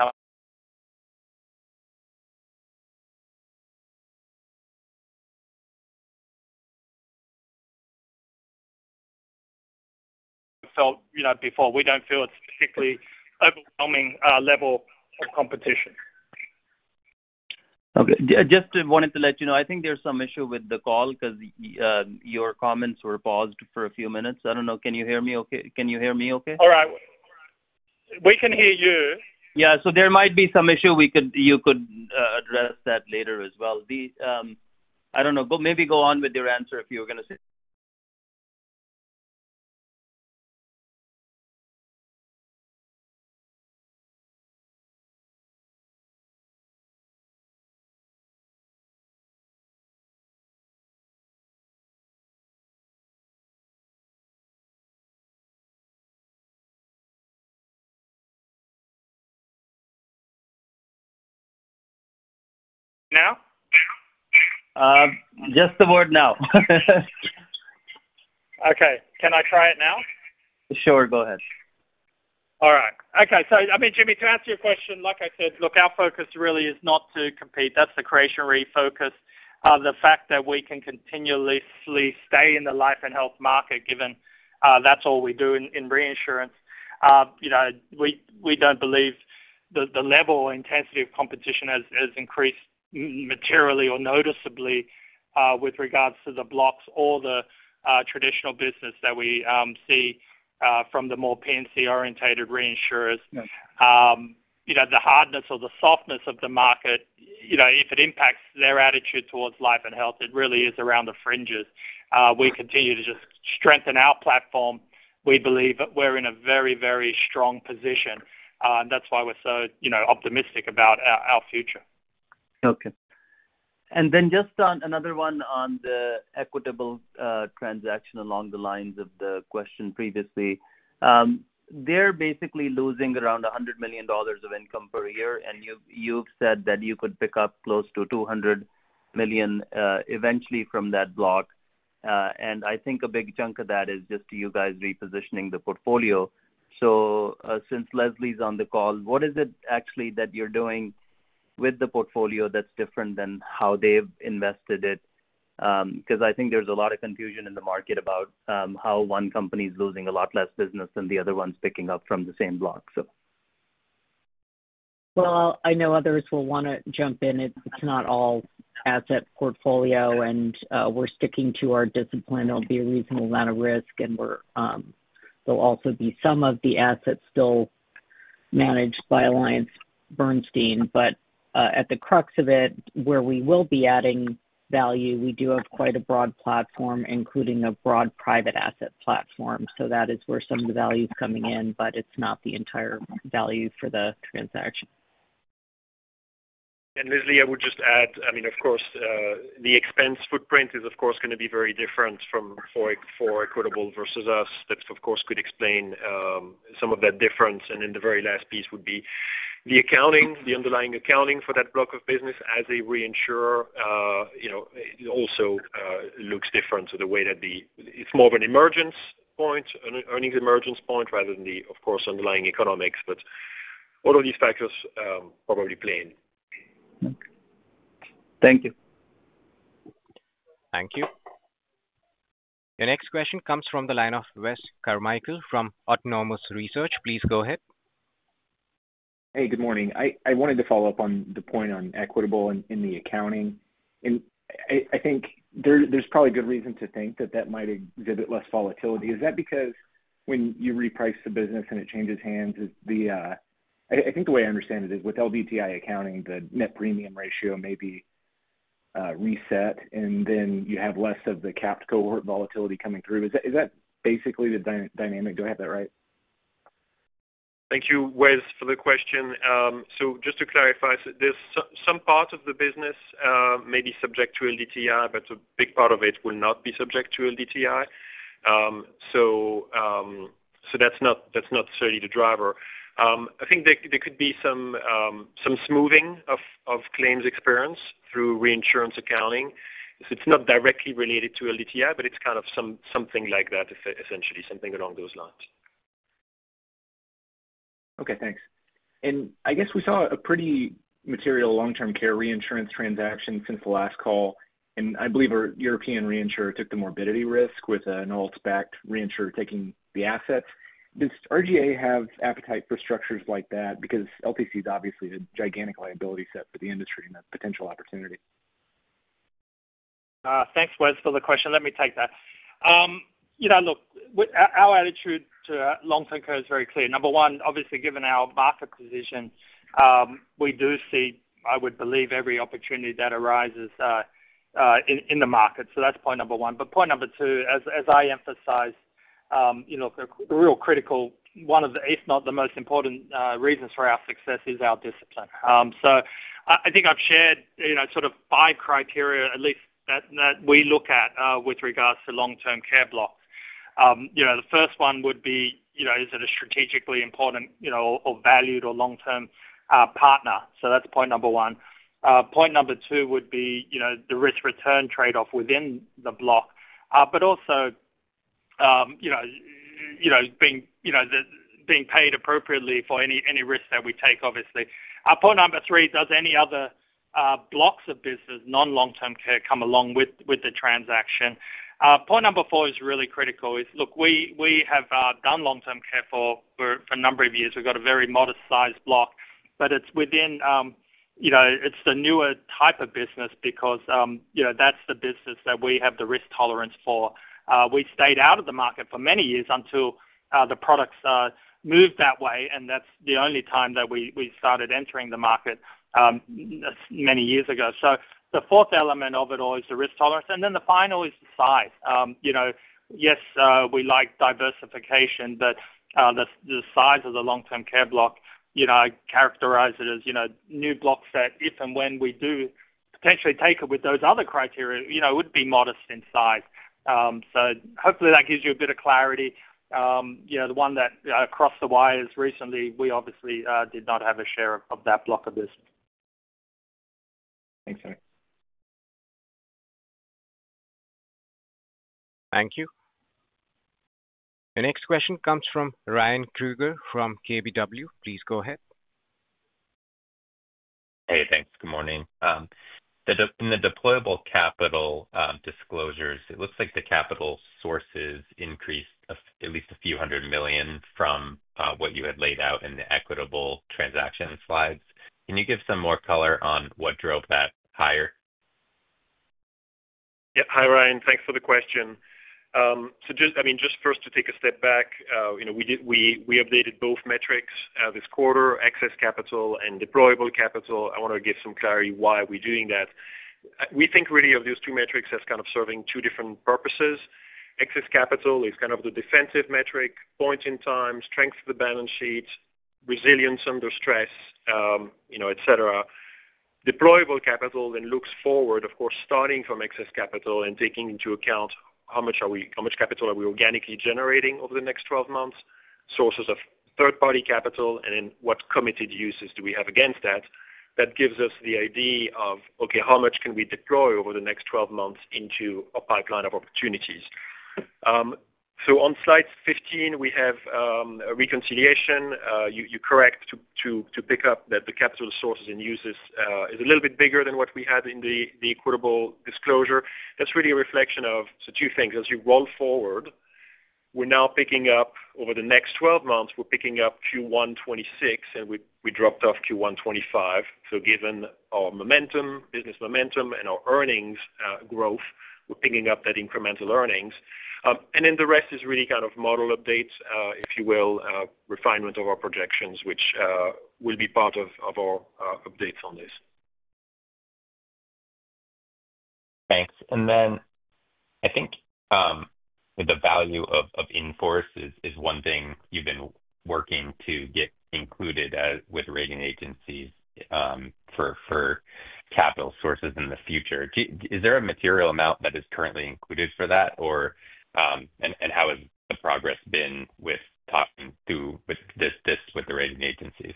Speaker 3: felt before, we do not feel it is a particularly overwhelming level of competition.
Speaker 11: Okay. Just wanted to let you know, I think there is some issue with the call because your comments were paused for a few minutes. I do not know. Can you hear me okay? Can you hear me okay?
Speaker 3: All right. We can hear you.
Speaker 10: Yeah. There might be some issue you could address that later as well. I do not know. Maybe go on with your answer if you were going to say. Now? Just the word now.
Speaker 3: Okay. Can I try it now?
Speaker 10: Sure. Go ahead.
Speaker 3: All right. Okay. I mean, Jimmy, to answer your question, like I said, look, our focus really is not to compete. That is the Creation Re focus. The fact that we can continuously stay in the life and health market, given that's all we do in reinsurance, we don't believe the level or intensity of competition has increased materially or noticeably with regards to the blocks or the traditional business that we see from the more P&C-orientated reinsurers. The hardness or the softness of the market, if it impacts their attitude towards life and health, it really is around the fringes. We continue to just strengthen our platform. We believe we're in a very, very strong position. That's why we're so optimistic about our future.
Speaker 10: Okay. Then just another one on the Equitable transaction along the lines of the question previously. They're basically losing around $100 million of income per year. And you've said that you could pick up close to $200 million eventually from that block.
Speaker 3: I think a big chunk of that is just you guys repositioning the portfolio. Since Leslie's on the call, what is it actually that you're doing with the portfolio that's different than how they've invested it? I think there's a lot of confusion in the market about how one company's losing a lot less business than the other one's picking up from the same block.
Speaker 9: I know others will want to jump in. It's not all asset portfolio. We're sticking to our discipline. It'll be a reasonable amount of risk. There'll also be some of the assets still managed by AllianceBernstein. At the crux of it, where we will be adding value, we do have quite a broad platform, including a broad private asset platform. That is where some of the value's coming in, but it's not the entire value for the transaction.
Speaker 4: Leslie, I would just add, I mean, of course, the expense footprint is, of course, going to be very different for Equitable versus us. That, of course, could explain some of that difference. The very last piece would be the accounting, the underlying accounting for that block of business as a reinsurer also looks different. The way that the it's more of an emergence point, an earnings emergence point rather than, of course, underlying economics. All of these factors probably play in.
Speaker 11: Thank you.
Speaker 1: Thank you. The next question comes from the line of Wes Carmichael from Autonomous Research. Please go ahead.
Speaker 12: Hey. Good morning. I wanted to follow up on the point on Equitable and the accounting. I think there's probably good reason to think that that might exhibit less volatility. Is that because when you reprice the business and it changes hands, I think the way I understand it is with LDTI accounting, the net premium ratio may be reset, and then you have less of the capped cohort volatility coming through. Is that basically the dynamic? Do I have that right?
Speaker 4: Thank you, Wes, for the question. Just to clarify, some parts of the business may be subject to LDTI, but a big part of it will not be subject to LDTI. That's not necessarily the driver. I think there could be some smoothing of claims experience through reinsurance accounting. It's not directly related to LDTI, but it's kind of something like that, essentially, something along those lines.
Speaker 12: Okay. Thanks.
Speaker 13: I guess we saw a pretty material long-term care reinsurance transaction since the last call. I believe a European reinsurer took the morbidity risk with an Alts-backed reinsurer taking the assets. Does RGA have appetite for structures like that? Because LTC is obviously a gigantic liability set for the industry and a potential opportunity.
Speaker 4: Thanks, Wes, for the question. Let me take that. Look, our attitude to long-term care is very clear. Number one, obviously, given our market position, we do see, I would believe, every opportunity that arises in the market. That is point number one. Point number two, as I emphasized, the real critical, one of the, if not the most important reasons for our success is our discipline. I think I have shared sort of five criteria, at least, that we look at with regards to long-term care blocks. The first one would be, is it a strategically important or valued or long-term partner? That's point number one. Point number two would be the risk-return trade-off within the block, but also being paid appropriately for any risk that we take, obviously. Point number three, does any other blocks of business, non-long-term care, come along with the transaction? Point number four is really critical. Look, we have done long-term care for a number of years. We've got a very modest-sized block, but it's the newer type of business because that's the business that we have the risk tolerance for. We stayed out of the market for many years until the products moved that way. That's the only time that we started entering the market many years ago. The fourth element of it all is the risk tolerance. The final is the size.
Speaker 3: Yes, we like diversification, but the size of the long-term care block, I characterize it as new block set. If and when we do potentially take it with those other criteria, it would be modest in size. Hopefully, that gives you a bit of clarity. The one that crossed the wires recently, we obviously did not have a share of that block of business.
Speaker 12: Thanks, Alex.
Speaker 1: Thank you. The next question comes from Ryan Krueger from KBW. Please go ahead.
Speaker 14: Hey. Thanks. Good morning. In the deployable capital disclosures, it looks like the capital sources increased at least a few hundred million from what you had laid out in the Equitable transaction slides. Can you give some more color on what drove that higher?
Speaker 4: Yep. Hi, Ryan. Thanks for the question. I mean, just first to take a step back, we updated both metrics this quarter, excess capital and deployable capital. I want to give some clarity why we're doing that. We think really of those two metrics as kind of serving two different purposes. Excess capital is kind of the defensive metric, point in time, strength of the balance sheet, resilience under stress, etc. Deployable capital then looks forward, of course, starting from excess capital and taking into account how much capital are we organically generating over the next 12 months, sources of third-party capital, and then what committed uses do we have against that. That gives us the idea of, okay, how much can we deploy over the next 12 months into a pipeline of opportunities? On slide 15, we have a reconciliation. You are correct to pick up that the capital sources and uses is a little bit bigger than what we had in the Equitable disclosure. That is really a reflection of two things. As you roll forward, we are now picking up over the next 12 months, we are picking up Q1 2026, and we dropped off Q1 2025. Given our business momentum and our earnings growth, we are picking up that incremental earnings. The rest is really kind of model updates, if you will, refinement of our projections, which will be part of our updates on this.
Speaker 14: Thanks. I think the value of invoices is one thing you have been working to get included with rating agencies for capital sources in the future. Is there a material amount that is currently included for that? How has the progress been with talking through this with the rating agencies?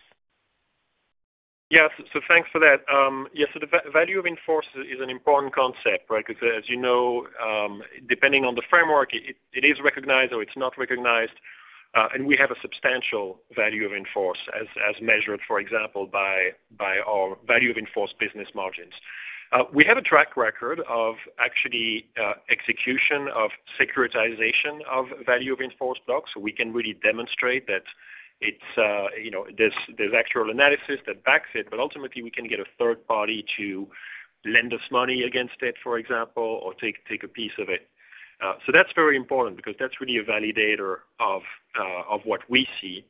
Speaker 4: Yeah. Thanks for that. Yeah. The value of invoices is an important concept, right? Because as you know, depending on the framework, it is recognized or it's not recognized. We have a substantial value of invoice as measured, for example, by our value of invoice business margins. We have a track record of actually execution of securitization of value of invoice blocks. We can really demonstrate that there's actual analysis that backs it. Ultimately, we can get a third party to lend us money against it, for example, or take a piece of it. That's very important because that's really a validator of what we see.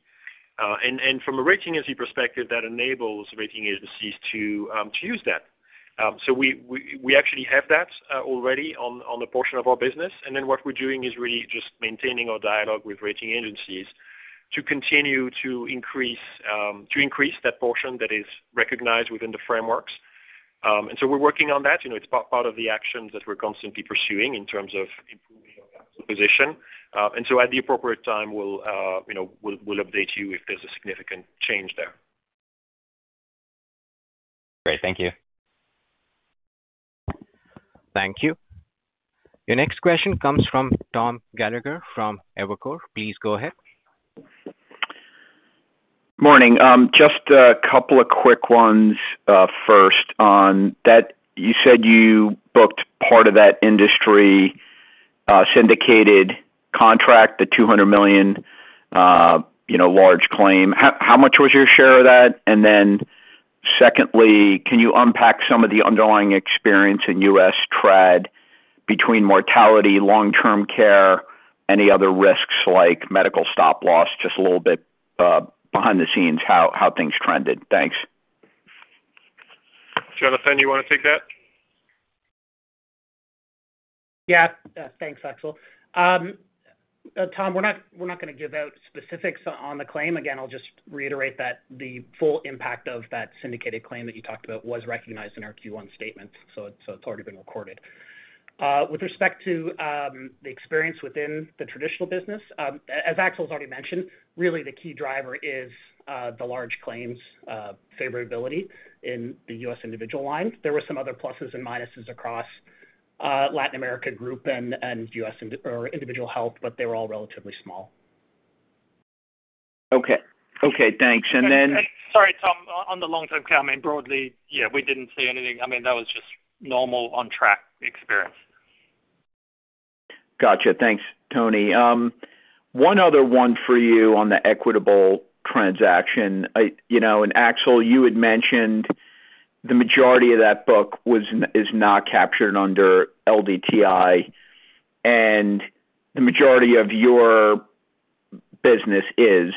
Speaker 4: From a rating agency perspective, that enables rating agencies to use that. We actually have that already on a portion of our business. What we are doing is really just maintaining our dialogue with rating agencies to continue to increase that portion that is recognized within the frameworks. We are working on that. It is part of the actions that we are constantly pursuing in terms of improving our position. At the appropriate time, we will update you if there is a significant change there.
Speaker 14: Great. Thank you.
Speaker 1: Thank you. The next question comes from Tom Gallagher from Evercore. Please go ahead.
Speaker 15: Morning. Just a couple of quick ones first on that. You said you booked part of that industry syndicated contract, the $200 million large claim. How much was your share of that? Secondly, can you unpack some of the underlying experience in US trad between mortality, long-term care, any other risks like medical stop loss, just a little bit behind the scenes, how things trended? Thanks.
Speaker 3: Jonathan, you want to take that? Yeah.
Speaker 6: Thanks, Axel. Tom, we're not going to give out specifics on the claim. Again, I'll just reiterate that the full impact of that syndicated claim that you talked about was recognized in our Q1 statements. So it's already been recorded. With respect to the experience within the traditional business, as Axel's already mentioned, really the key driver is the large claims favorability in the US individual line. There were some other pluses and minuses across Latin America Group and individual health, but they were all relatively small.
Speaker 15: Okay. Okay. Thanks. And then
Speaker 3: sorry, Tom. On the long-term claim, I mean, broadly, yeah, we didn't see anything. I mean, that was just normal on-track experience.
Speaker 15: Gotcha. Thanks, Tony. One other one for you on the Equitable transaction. Axel, you had mentioned the majority of that book is not captured under LDTI, and the majority of your business is.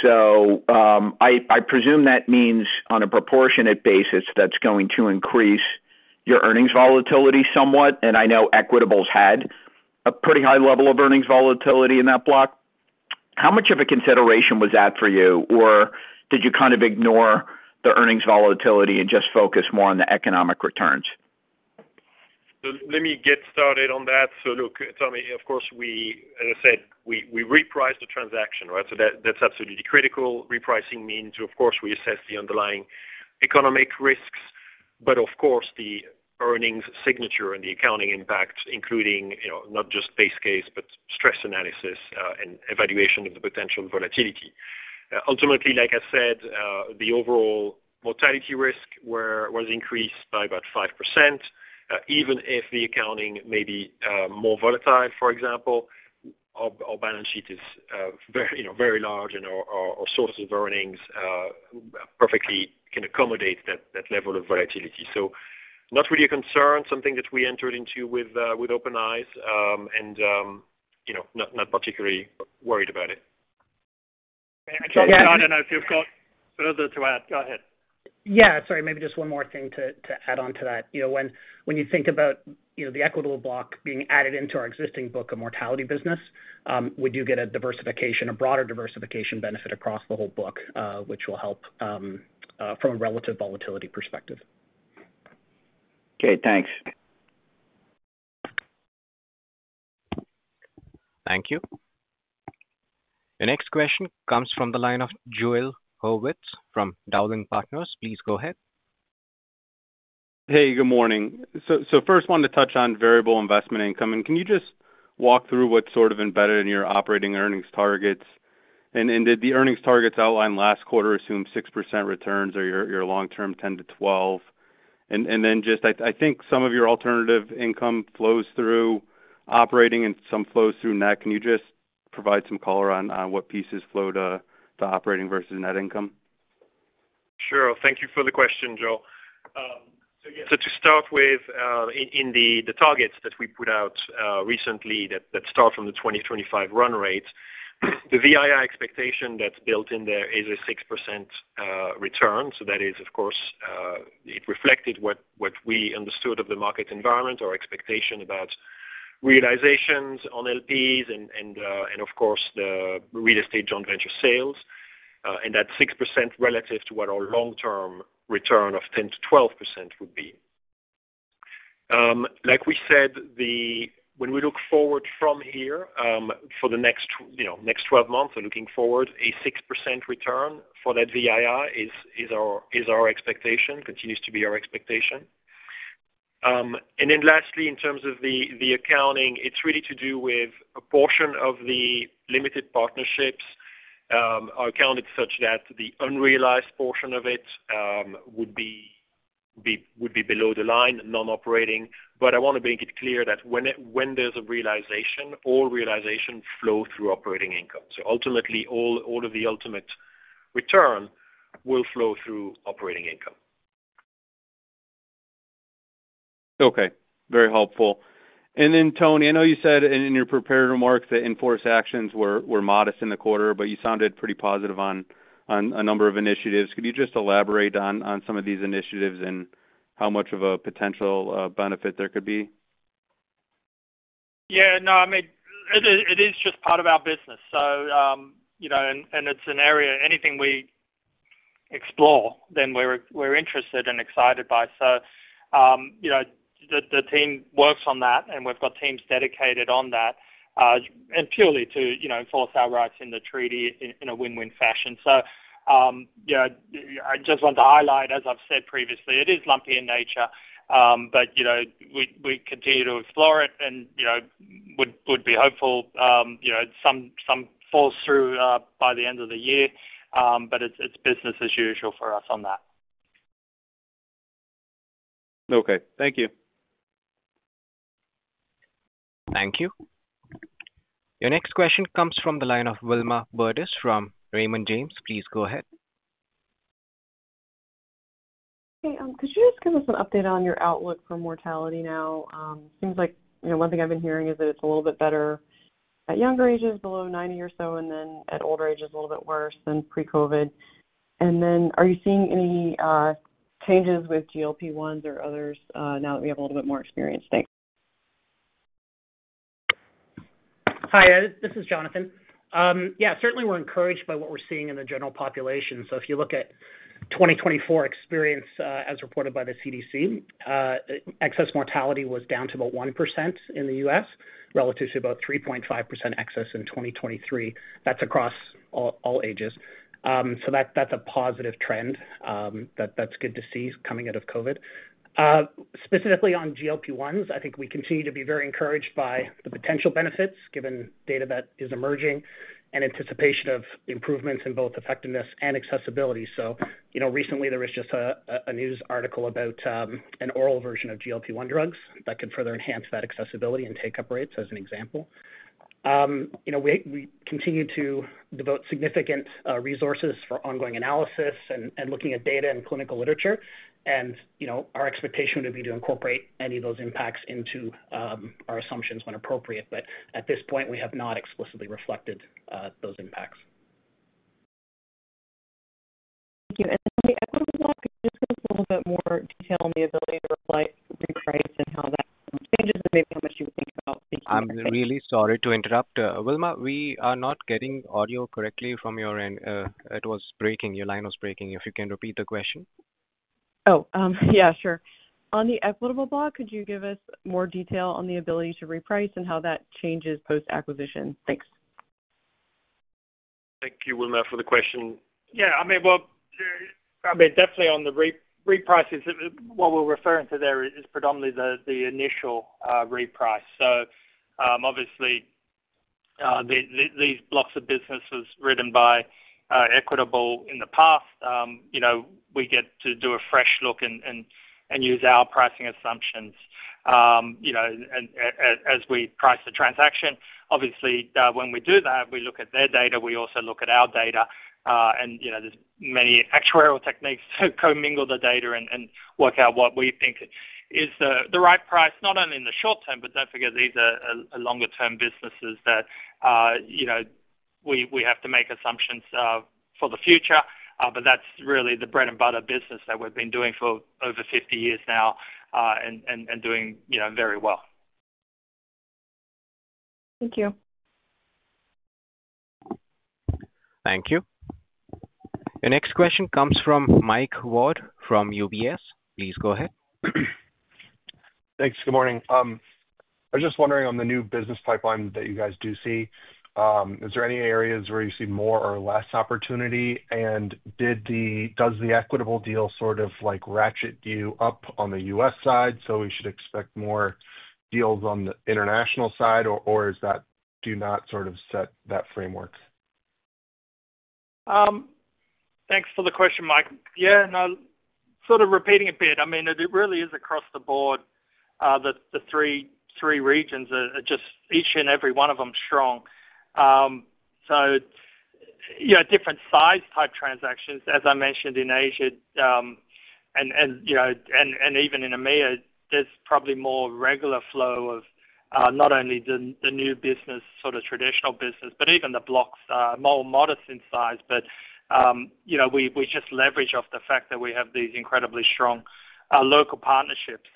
Speaker 15: I presume that means on a proportionate basis that's going to increase your earnings volatility somewhat. I know Equitable's had a pretty high level of earnings volatility in that block. How much of a consideration was that for you, or did you kind of ignore the earnings volatility and just focus more on the economic returns?
Speaker 4: Let me get started on that. Look, Tommy, of course, as I said, we repriced the transaction, right? That's absolutely critical. Repricing means, of course, we assess the underlying economic risks, but of course, the earnings signature and the accounting impact, including not just base case, but stress analysis and evaluation of the potential volatility. Ultimately, like I said, the overall mortality risk was increased by about 5%. Even if the accounting may be more volatile, for example, our balance sheet is very large, and our sources of earnings perfectly can accommodate that level of volatility. Not really a concern, something that we entered into with open eyes and not particularly worried about it. I do not know if you have got further to add. Go ahead.
Speaker 3: Yeah. Sorry. Maybe just one more thing to add on to that. When you think about the Equitable block being added into our existing book of mortality business, we do get a diversification, a broader diversification benefit across the whole book, which will help from a relative volatility perspective.
Speaker 15: Okay. Thanks.
Speaker 1: Thank you. The next question comes from the line of Joel Hurwitz from Dowling Partners. Please go ahead.
Speaker 16: Hey. Good morning. First, I wanted to touch on variable investment income. Can you just walk through what's sort of embedded in your operating earnings targets? Did the earnings targets outlined last quarter assume 6% returns or your long-term 10-12%? I think some of your alternative income flows through operating and some flows through net. Can you just provide some color on what pieces flow to operating versus net income?
Speaker 4: Sure. Thank you for the question, Joel. To start with, in the targets that we put out recently that start from the 2025 run rate, the VII expectation that's built in there is a 6% return. That is, of course, it reflected what we understood of the market environment, our expectation about realizations on LPs, and, of course, the real estate joint venture sales. That 6% is relative to what our long-term return of 10-12% would be. Like we said, when we look forward from here for the next 12 months and looking forward, a 6% return for that VII is our expectation, continues to be our expectation. Lastly, in terms of the accounting, it's really to do with a portion of the limited partnerships are accounted such that the unrealized portion of it would be below the line, non-operating. I want to make it clear that when there's a realization, all realization flows through operating income. Ultimately, all of the ultimate return will flow through operating income.
Speaker 16: Okay. Very helpful. Tony, I know you said in your prepared remarks that in-force actions were modest in the quarter, but you sounded pretty positive on a number of initiatives. Could you just elaborate on some of these initiatives and how much of a potential benefit there could be?
Speaker 3: Yeah. No. I mean, it is just part of our business. It's an area anything we explore, then we're interested and excited by. The team works on that, and we've got teams dedicated on that purely to enforce our rights in the treaty in a win-win fashion. I just want to highlight, as I've said previously, it is lumpy in nature, but we continue to explore it and would be hopeful some falls through by the end of the year. It's business as usual for us on that.
Speaker 16: Okay. Thank you.
Speaker 1: Thank you. Your next question comes from the line of Wilma Burdis from Raymond James. Please go ahead.
Speaker 17: Hey. Could you just give us an update on your outlook for mortality now? Seems like one thing I've been hearing is that it's a little bit better at younger ages below 90 or so, and then at older ages, a little bit worse than pre-COVID. Are you seeing any changes with GLP-1s or others now that we have a little bit more experience?
Speaker 6: Thanks. Hi. This is Jonathan. Yeah. Certainly, we're encouraged by what we're seeing in the general population. If you look at 2024 experience as reported by the CDC, excess mortality was down to about 1% in the US relative to about 3.5% excess in 2023. That's across all ages. That's a positive trend that's good to see coming out of COVID. Specifically on GLP-1s, I think we continue to be very encouraged by the potential benefits given data that is emerging and anticipation of improvements in both effectiveness and accessibility. Recently, there was just a news article about an oral version of GLP-1 drugs that could further enhance that accessibility and take-up rates, as an example. We continue to devote significant resources for ongoing analysis and looking at data and clinical literature. Our expectation would be to incorporate any of those impacts into our assumptions when appropriate. At this point, we have not explicitly reflected those impacts.
Speaker 17: Thank you. On the Equitable block, could you just give us a little bit more detail on the ability to replace, reprice, and how that changes and maybe how much you would think about?
Speaker 1: I'm really sorry to interrupt. Wilma, we are not getting audio correctly from your end. It was breaking. Your line was breaking. If you can repeat the question.
Speaker 17: Oh. Yeah. Sure. On the Equitable block, could you give us more detail on the ability to reprice and how that changes post-acquisition? Thanks.
Speaker 3: Thank you, Wilma, for the question. Yeah. I mean, definitely on the reprices, what we're referring to there is predominantly the initial reprice. Obviously, these blocks of business were written by Equitable in the past. We get to do a fresh look and use our pricing assumptions as we price the transaction. Obviously, when we do that, we look at their data. We also look at our data. There are many actuarial techniques to co-mingle the data and work out what we think is the right price, not only in the short term, but do not forget, these are longer-term businesses that we have to make assumptions for the future. That's really the bread-and-butter business that we've been doing for over 50 years now and doing very well.
Speaker 17: Thank you.
Speaker 1: Thank you. The next question comes from Mike Ward from UBS. Please go ahead.
Speaker 18: Thanks. Good morning. I was just wondering on the new business pipeline that you guys do see, is there any areas where you see more or less opportunity? And does the Equitable deal sort of ratchet you up on the US side, so we should expect more deals on the international side, or do you not sort of set that framework?
Speaker 3: Thanks for the question, Mike. Yeah. No, sort of repeating a bit. I mean, it really is across the board. The three regions are just each and every one of them strong. Different size type transactions, as I mentioned, in Asia and even in EMEA, there's probably more regular flow of not only the new business, sort of traditional business, but even the blocks, more modest in size. We just leverage off the fact that we have these incredibly strong local partnerships.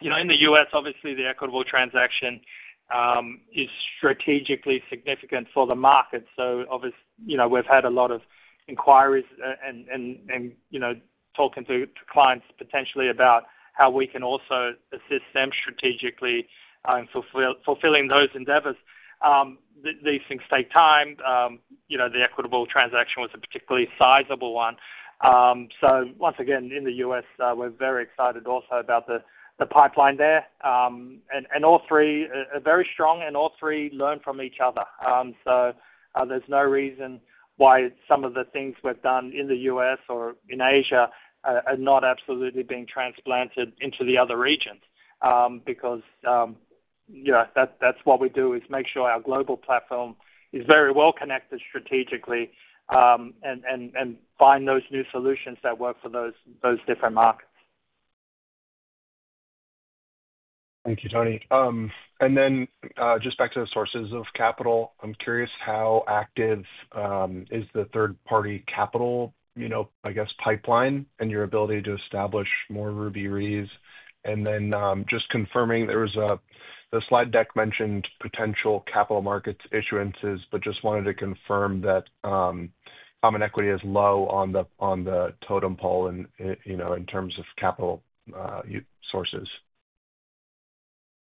Speaker 3: In the U.S., obviously, the Equitable transaction is strategically significant for the market. Obviously, we've had a lot of inquiries and talking to clients potentially about how we can also assist them strategically in fulfilling those endeavors. These things take time. The Equitable transaction was a particularly sizable one. Once again, in the U.S., we're very excited also about the pipeline there. All three are very strong, and all three learn from each other. There is no reason why some of the things we have done in the US or in Asia are not absolutely being transplanted into the other regions because that is what we do, make sure our global platform is very well connected strategically and find those new solutions that work for those different markets.
Speaker 18: Thank you, Tony. Just back to the sources of capital, I am curious how active is the third-party capital, I guess, pipeline and your ability to establish more ruby reads. Just confirming, the slide deck mentioned potential capital markets issuances, but I just wanted to confirm that common equity is low on the totem pole in terms of capital sources.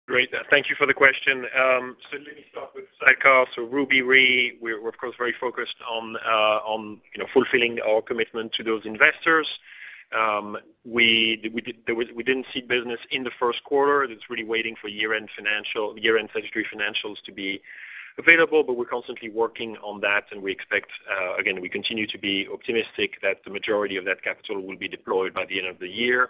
Speaker 4: Great. Thank you for the question. Let me start with sidecar. Ruby read, we are, of course, very focused on fulfilling our commitment to those investors. We did not see business in the first quarter. It's really waiting for year-end 2033 financials to be available, but we're constantly working on that. We expect, again, we continue to be optimistic that the majority of that capital will be deployed by the end of the year.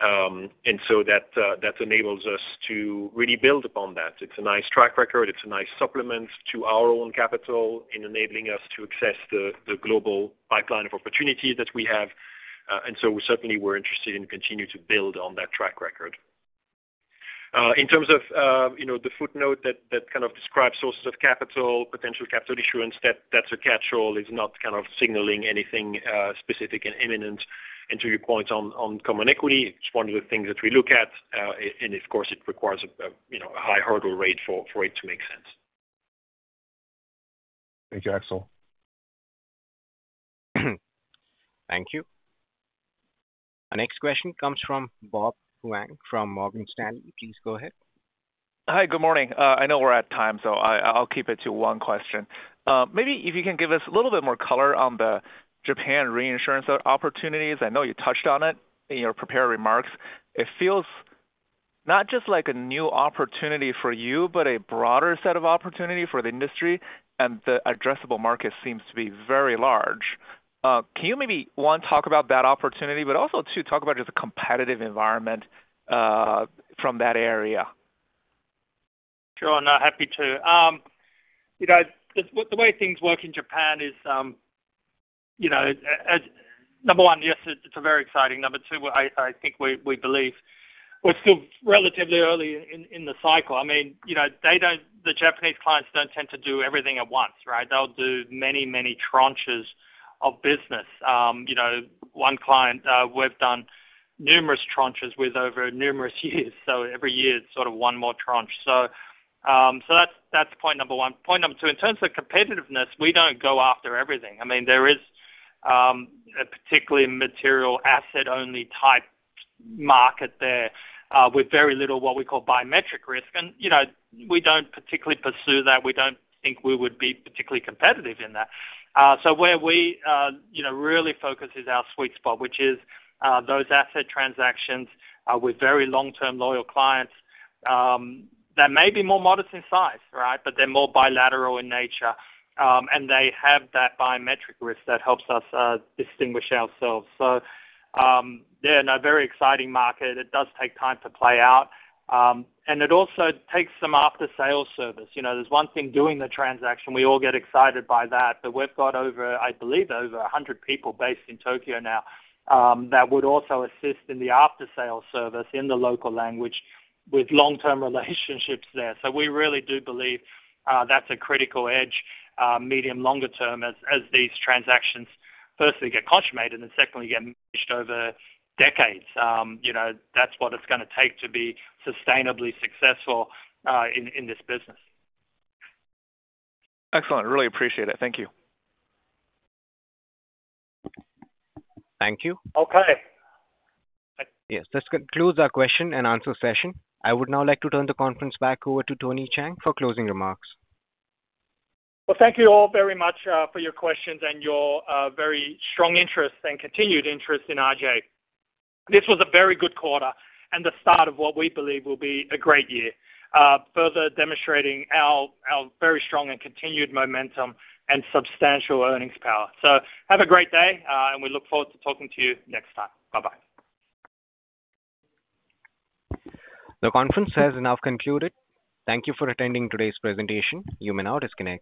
Speaker 4: That enables us to really build upon that. It's a nice track record. It's a nice supplement to our own capital in enabling us to access the global pipeline of opportunity that we have. We certainly were interested in continuing to build on that track record. In terms of the footnote that kind of describes sources of capital, potential capital issuance, that's a catch-all. It's not kind of signaling anything specific and imminent. To your point on common equity, it's one of the things that we look at. Of course, it requires a high hurdle rate for it to make sense.
Speaker 18: Thank you, Axel.
Speaker 1: Thank you. Our next question comes from Bob Huang from Morgan Stanley. Please go ahead.
Speaker 19: Hi. Good morning. I know we're at time, so I'll keep it to one question. Maybe if you can give us a little bit more color on the Japan reinsurance opportunities. I know you touched on it in your prepared remarks. It feels not just like a new opportunity for you, but a broader set of opportunity for the industry. The addressable market seems to be very large. Can you maybe one, talk about that opportunity, but also two, talk about just the competitive environment from that area?
Speaker 3: Sure. No, happy to. The way things work in Japan is, number one, yes, it's very exciting. Number two, I think we believe we're still relatively early in the cycle. I mean, the Japanese clients don't tend to do everything at once, right? They'll do many, many tranches of business. One client, we've done numerous tranches with over numerous years. Every year, it's sort of one more tranche. That's point number one. Point number two, in terms of competitiveness, we don't go after everything. I mean, there is a particularly material asset-only type market there with very little what we call biometric risk. We don't particularly pursue that. We don't think we would be particularly competitive in that. Where we really focus is our sweet spot, which is those asset transactions with very long-term loyal clients that may be more modest in size, right, but they're more bilateral in nature. They have that biometric risk that helps us distinguish ourselves. A very exciting market. It does take time to play out. It also takes some after-sales service. There's one thing doing the transaction. We all get excited by that. We have, I believe, over 100 people based in Tokyo now that would also assist in the after-sales service in the local language with long-term relationships there. We really do believe that's a critical edge, medium, longer term as these transactions firstly get consummated and secondly get managed over decades. That's what it's going to take to be sustainably successful in this business.
Speaker 19: Excellent. Really appreciate it. Thank you.
Speaker 1: Thank you. Okay. Yes. This concludes our question and answer session. I would now like to turn the conference back over to Tony Cheng for closing remarks.
Speaker 3: Thank you all very much for your questions and your very strong interest and continued interest in RGA. This was a very good quarter and the start of what we believe will be a great year, further demonstrating our very strong and continued momentum and substantial earnings power. Have a great day, and we look forward to talking to you next time. Bye-bye.
Speaker 1: The conference has now concluded. Thank you for attending today's presentation. You may now disconnect.